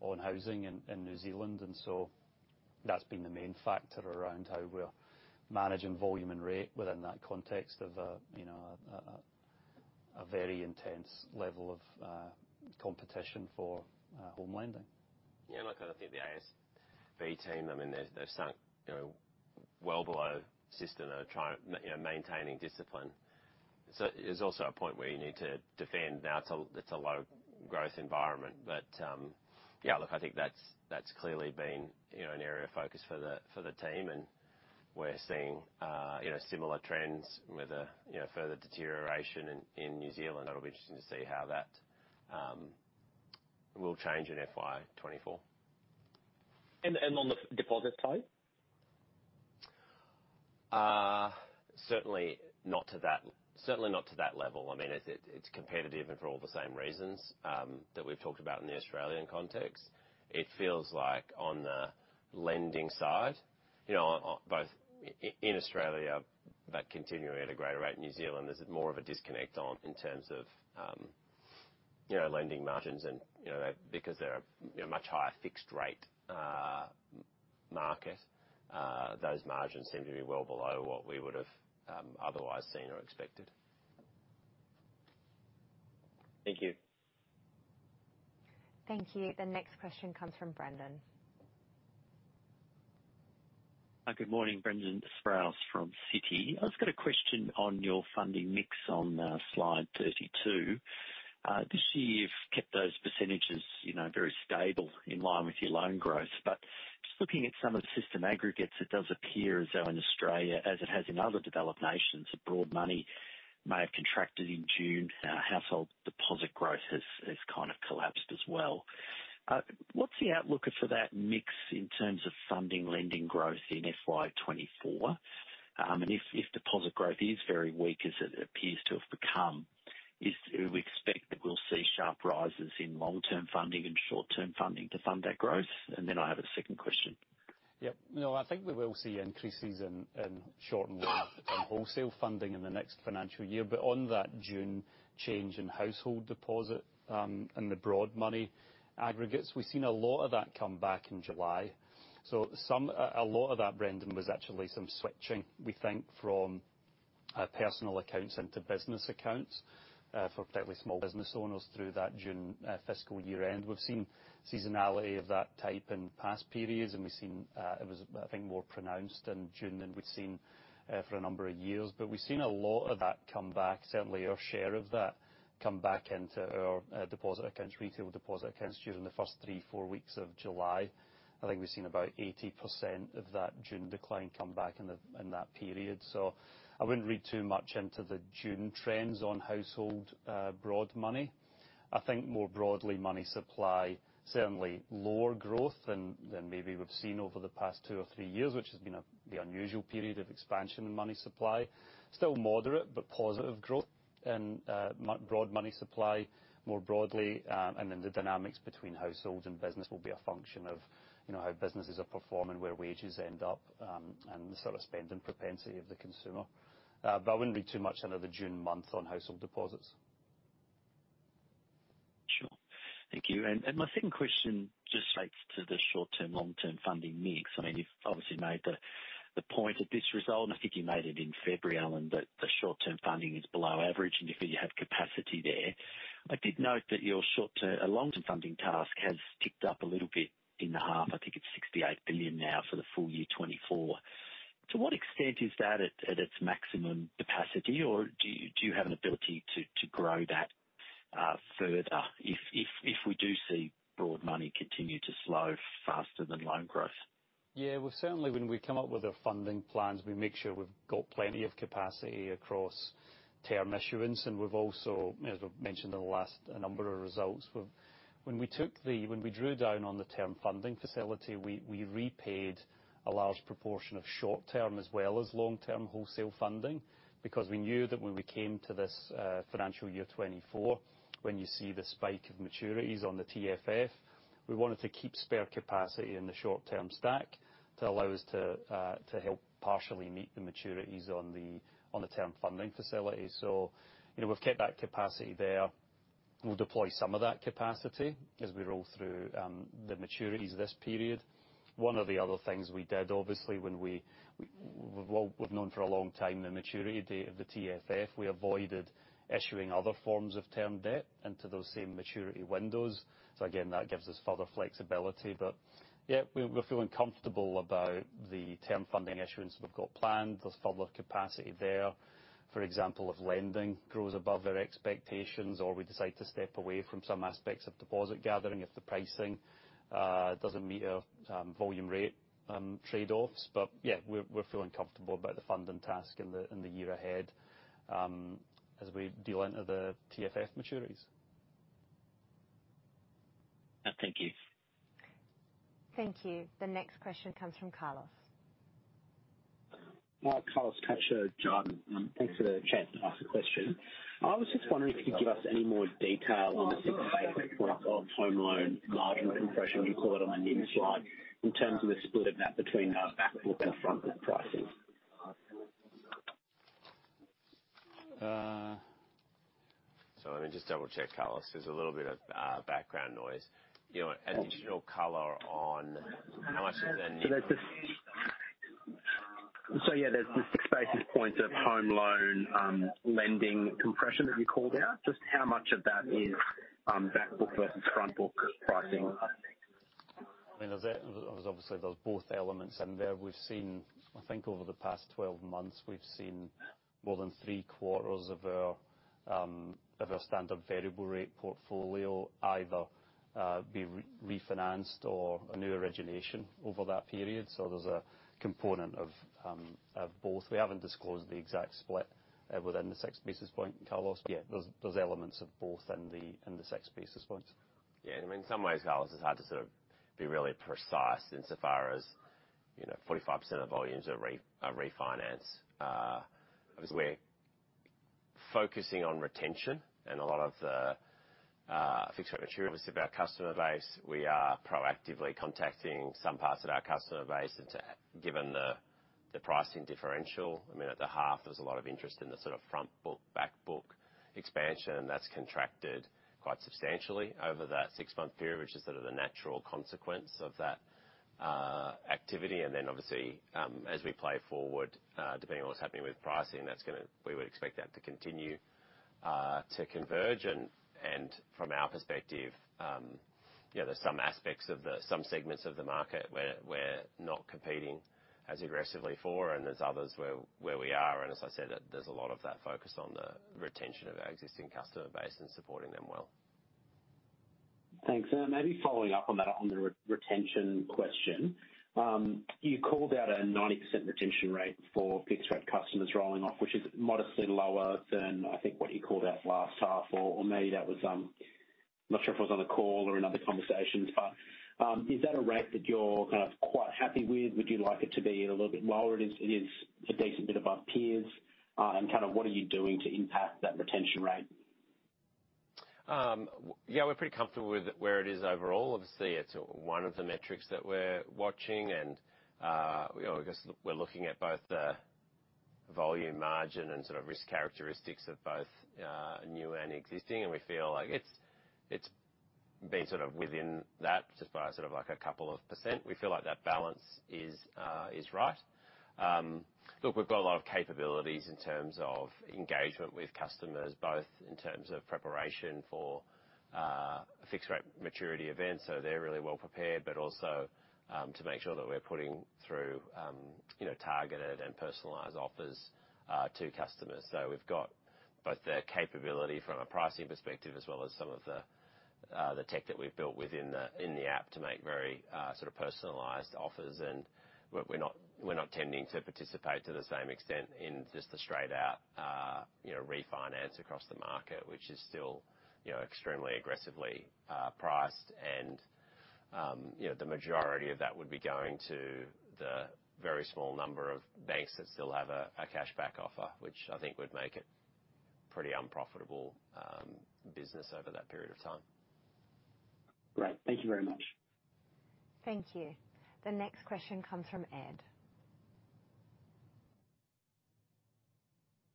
on housing in New Zealand. That's been the main factor around how we're managing volume and rate within that context of a, you know, a very intense level of competition for home lending. Yeah, look, I think the ASB team, I mean, they've, they've sunk, you know, well below system. They're trying, you know, maintaining discipline. There's also a point where you need to defend. Now, it's a, it's a low growth environment. Yeah, look, I think that's, that's clearly been, you know, an area of focus for the, for the team, and we're seeing, you know, similar trends with a, you know, further deterioration in, in New Zealand. That'll be interesting to see how that will change in FY 2024. And on the deposit side? Certainly not to that, certainly not to that level. I mean, it's, it's competitive and for all the same reasons, that we've talked about in the Australian context. It feels like on the lending side, you know, on, on both in Australia, but continuing at a greater rate in New Zealand, there's more of a disconnect on in terms of, you know, lending margins. You know, that because they're a, a much higher fixed rate, market, those margins seem to be well below what we would have, otherwise seen or expected. Thank you. Thank you. The next question comes from Brendan. Hi, good morning. Brendan Sproules from Citi. I just got a question on your funding mix on slide 32. This year, you've kept those percentages, you know, very stable in line with your loan growth. Just looking at some of the system aggregates, it does appear as though in Australia, as it has in other developed nations, that broad money may have contracted in June. Household deposit growth has, has kind of collapsed as well. What's the outlook for that mix in terms of funding lending growth in FY 2024? If, if deposit growth is very weak, as it appears to have become, do we expect that we'll see sharp rises in long-term funding and short-term funding to fund that growth? Then I have a second question. Yep. No, I think we will see increases in, in short and long-term wholesale funding in the next financial year. On that June change in household deposit, and the broad money aggregates, we've seen a lot of that come back in July. A lot of that, Brendan, was actually some switching, we think, from personal accounts into business accounts, for particularly small business owners through that June fiscal year end. We've seen seasonality of that type in past periods, and we've seen, it was, I think, more pronounced in June than we've seen for a number of years. We've seen a lot of that come back, certainly our share of that, come back into our deposit accounts, retail deposit accounts, during the first three, four weeks of July. I think we've seen about 80% of that June decline come back in that period. I wouldn't read too much into the June trends on household broad money. I think more broadly, money supply, certainly lower growth than maybe we've seen over the past two or three years, which has been the unusual period of expansion in money supply. Still moderate but positive growth in broad money supply, more broadly. Then the dynamics between household and business will be a function of, you know, how businesses are performing, where wages end up, and the sort of spending propensity of the consumer. I wouldn't read too much into the June month on household deposits. Sure. Thank you. My second question just relates to the short-term, long-term funding mix. I mean, you've obviously made the, the point of this result, and I think you made it in February, Alan, that the short-term funding is below average, and you feel you have capacity there. I did note that your short-term and long-term funding task has ticked up a little bit in the half. I think it's 68 billion now for the full year 2024. To what extent is that at, at its maximum capacity, or do you, do you have an ability to, to grow that further if, if, if we do see broad money continue to slow faster than loan growth? Yeah, well, certainly when we come up with our funding plans, we make sure we've got plenty of capacity across term issuance. We've also, as I've mentioned in the last number of results, when we took when we drew down on the Term Funding Facility, we, we repaid a large proportion of short-term as well as long-term wholesale funding because we knew that when we came to this financial year 2024, when you see the spike of maturities on the TFF, we wanted to keep spare capacity in the short-term stack to allow us to to help partially meet the maturities on the, on the Term Funding Facility. You know, we've kept that capacity there. We'll deploy some of that capacity as we roll through the maturities this period. One of the other things we did, obviously, when we, we've, we've known for a long time the maturity date of the TFF. We avoided issuing other forms of term debt into those same maturity windows. Again, that gives us further flexibility. Yeah, we're, we're feeling comfortable about the term funding issuance we've got planned. There's further capacity there. For example, if lending grows above their expectations, or we decide to step away from some aspects of deposit gathering, if the pricing doesn't meet our volume rate trade-offs. Yeah, we're, we're feeling comfortable about the funding task in the, in the year ahead, as we deal into the TFF maturities. Thank you. Thank you. The next question comes from Carlos. Hi, Carlos Cacho, John. Thanks for the chance to ask a question. I was just wondering if you could give us any more detail on the 6 basis point of home loan margin compression you call it on the new slide, in terms of the split of that between back book and front book pricing?... Let me just double-check, Carlos. There's a little bit of background noise. You know, additional color on how much is there? There's the 6 basis points of home loan lending compression that you called out. Just how much of that is back book versus front book pricing? I mean, there's, obviously, there's both elements in there. I think over the past 12 months, we've seen more than three quarters of our standard variable rate portfolio either refinanced or a new origination over that period. There's a component of both. We haven't disclosed the exact split within the 6 basis point, Carlos. Yeah, there's, there's elements of both in the, in the 6 basis points. Yeah, and in some ways, Carlos, it's hard to sort of be really precise insofar as, you know, 45% of volumes are refinance. Obviously, we're focusing on retention and a lot of the fixed rate material. Obviously, our customer base, we are proactively contacting some parts of our customer base. Given the pricing differential, I mean, at the half, there was a lot of interest in the sort of front book, back book expansion, and that's contracted quite substantially over that 6-month period, which is sort of the natural consequence of that activity. Then, obviously, as we play forward, depending on what's happening with pricing, we would expect that to continue to converge. From our perspective, you know, there's some aspects of the, some segments of the market where, we're not competing as aggressively for, and there's others where, where we are. As I said, there's a lot of that focus on the retention of our existing customer base and supporting them well. Thanks. Maybe following up on that, on the re- retention question. You called out a 90% retention rate for fixed-rate customers rolling off, which is modestly lower than, I think, what you called out last half. Or maybe that was. Not sure if I was on the call or in other conversations, but, is that a rate that you're kind of quite happy with? Would you like it to be a little bit lower? It is, it is a decent bit above peers. Kind of what are you doing to impact that retention rate? Yeah, we're pretty comfortable with where it is overall. Obviously, it's one of the metrics that we're watching, you know, I guess we're looking at both the volume margin and sort of risk characteristics of both new and existing, and we feel like it's, it's been sort of within that, just by sort of like 2%. We feel like that balance is right. Look, we've got a lot of capabilities in terms of engagement with customers, both in terms of preparation for fixed-rate maturity events. They're really well prepared, but also to make sure that we're putting through, you know, targeted and personalized offers to customers. We've got both the capability from a pricing perspective, as well as some of the tech that we've built within the, in the app to make very sort of personalized offers. We're, we're not, we're not tending to participate to the same extent in just the straight out, you know, refinance across the market, which is still, you know, extremely aggressively priced. You know, the majority of that would be going to the very small number of banks that still have a, a cashback offer, which I think would make it pretty unprofitable business over that period of time. Great. Thank you very much. Thank you. The next question comes from Ed.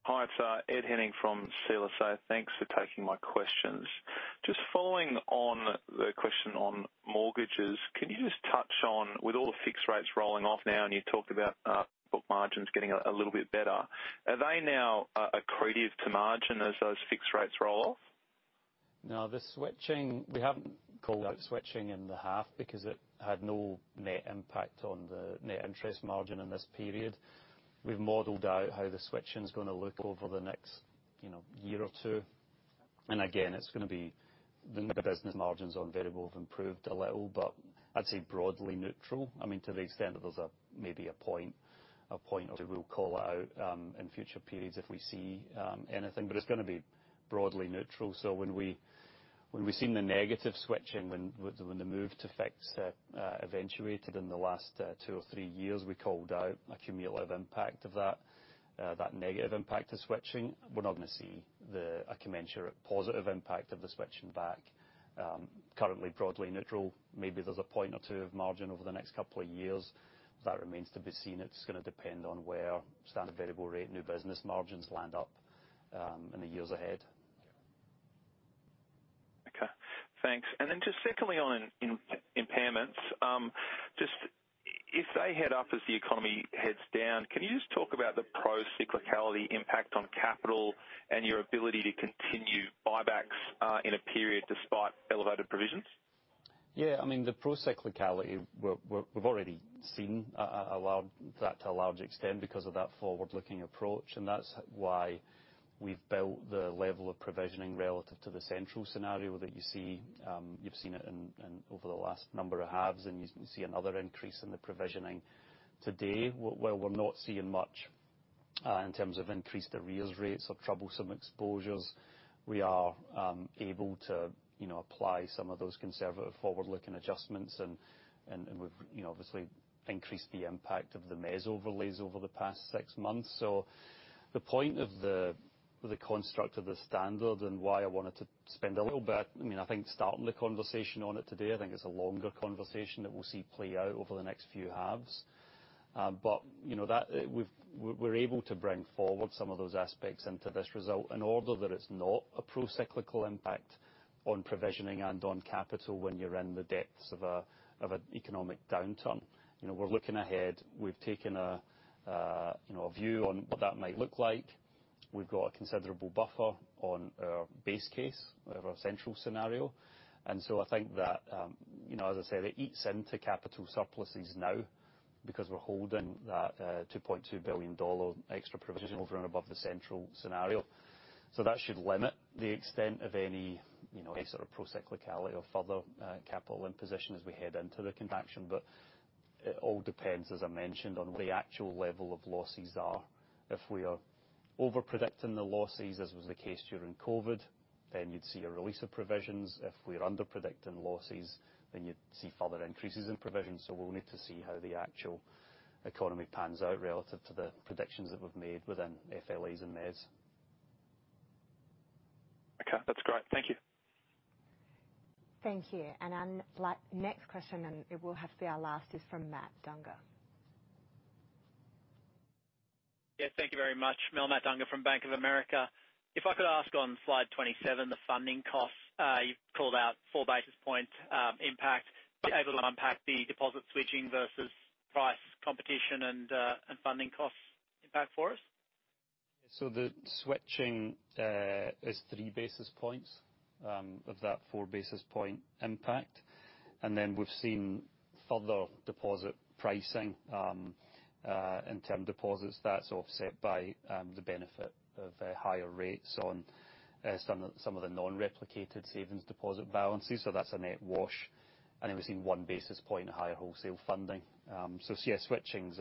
Hi, it's Ed Henning from CLSA. Thanks for taking my questions. Just following on the question on mortgages, can you just touch on, with all the fixed rates rolling off now, and you talked about book margins getting a little bit better, are they now accretive to margin as those fixed rates roll off? No, the switching, we haven't called out switching in the half because it had no net impact on the Net Interest Margin in this period. We've modeled out how the switching is going to look over the next, you know, year or two. Again, it's going to be the business margins on variable have improved a little, but I'd say broadly neutral. I mean, to the extent that there's a, maybe a point, a point where we'll call out in future periods if we see anything, but it's going to be broadly neutral. When we, when we've seen the negative switching, when, when, when the move to fixed eventuated in the last two or three years, we called out a cumulative impact of that, that negative impact of switching. We're not going to see the, a commensurate positive impact of the switching back. Currently, broadly neutral. Maybe there's a point or two of margin over the next couple of years. That remains to be seen. It's going to depend on where standard variable rate, new business margins land up in the years ahead. Okay, thanks. Just secondly, on impairments, just if they head up as the economy heads down, can you just talk about the procyclicality impact on capital and your ability to continue buybacks in a period despite elevated provisions? Yeah, I mean, the procyclicality, we're, we've already seen a large... That to a large extent, because of that forward-looking approach, and that's why we've built the level of provisioning relative to the central scenario that you see. You've seen it in, in over the last number of halves, and you see another increase in the provisioning today. Where we're not seeing much in terms of increased arrears rates or troublesome exposures, we are able to, you know, apply some of those conservative forward-looking adjustments. We've, you know, obviously increased the impact of the MES overlays over the past six months. The point of the, the construct of the standard and why I wanted to spend a little bit, I mean, I think starting the conversation on it today, I think it's a longer conversation that we'll see play out over the next few halves. You know, that we're able to bring forward some of those aspects into this result, in order that it's not a procyclical impact on provisioning and on capital when you're in the depths of an economic downturn. You know, we're looking ahead. We've taken a, you know, a view on what that might look like. We've got a considerable buffer on our base case, we have our central scenario. I think that, you know, as I say, it eats into capital surpluses now, because we're holding that 2.2 billion dollar extra provision over and above the central scenario. That should limit the extent of any, you know, any sort of procyclicality or further capital imposition as we head into the contraction. It all depends, as I mentioned, on what the actual level of losses are. If we are over-predicting the losses, as was the case during COVID, then you'd see a release of provisions. If we are under-predicting losses, then you'd see further increases in provisions. We'll need to see how the actual economy pans out relative to the predictions that we've made within FLEs and MES. Okay, that's great. Thank you. Thank you. Next question, and it will have to be our last, is from Matt Dunger. Yes, thank you very much. Matt Dunger from Bank of America. If I could ask on slide 27, the funding costs. You've called out 4 basis point impact. Be able to unpack the deposit switching versus price, competition, and funding costs impact for us? The switching is 3 basis points of that 4 basis point impact. We've seen further deposit pricing in term deposits that's offset by the benefit of higher rates on some of the non-replicated savings deposit balances. That's a net wash, and it was in 1 basis point higher wholesale funding. Switching's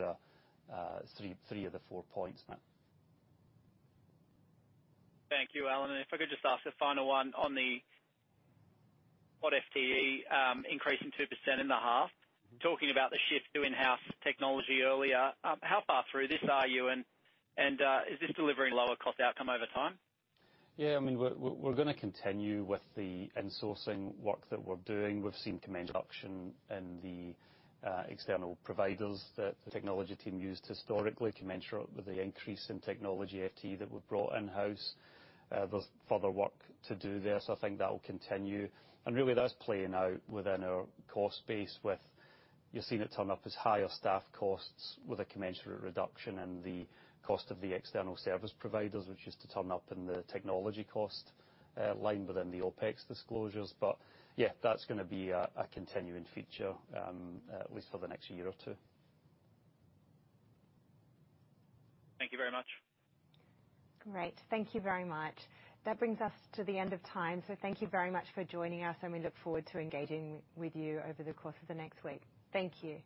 3, 3 of the 4 points, Matt. Thank you, Alan. If I could just ask a final one on the what FTE, increasing 2% in the half. Talking about the shift to in-house technology earlier, how far through this are you? And is this delivering lower cost outcome over time? Yeah, I mean, we're, we're, we're gonna continue with the insourcing work that we're doing. We've seen reduction in the external providers that the technology team used historically, commensurate with the increase in technology FTE that we've brought in-house. There's further work to do there, so I think that will continue. Really, that's playing out within our cost base with. You're seeing it turn up as higher staff costs with a commensurate reduction in the cost of the external service providers, which used to turn up in the technology cost line within the OpEx disclosures. Yeah, that's gonna be a, a continuing feature, at least for the next year or two. Thank you very much. Great. Thank you very much. That brings us to the end of time, so thank you very much for joining us, and we look forward to engaging with you over the course of the next week. Thank you.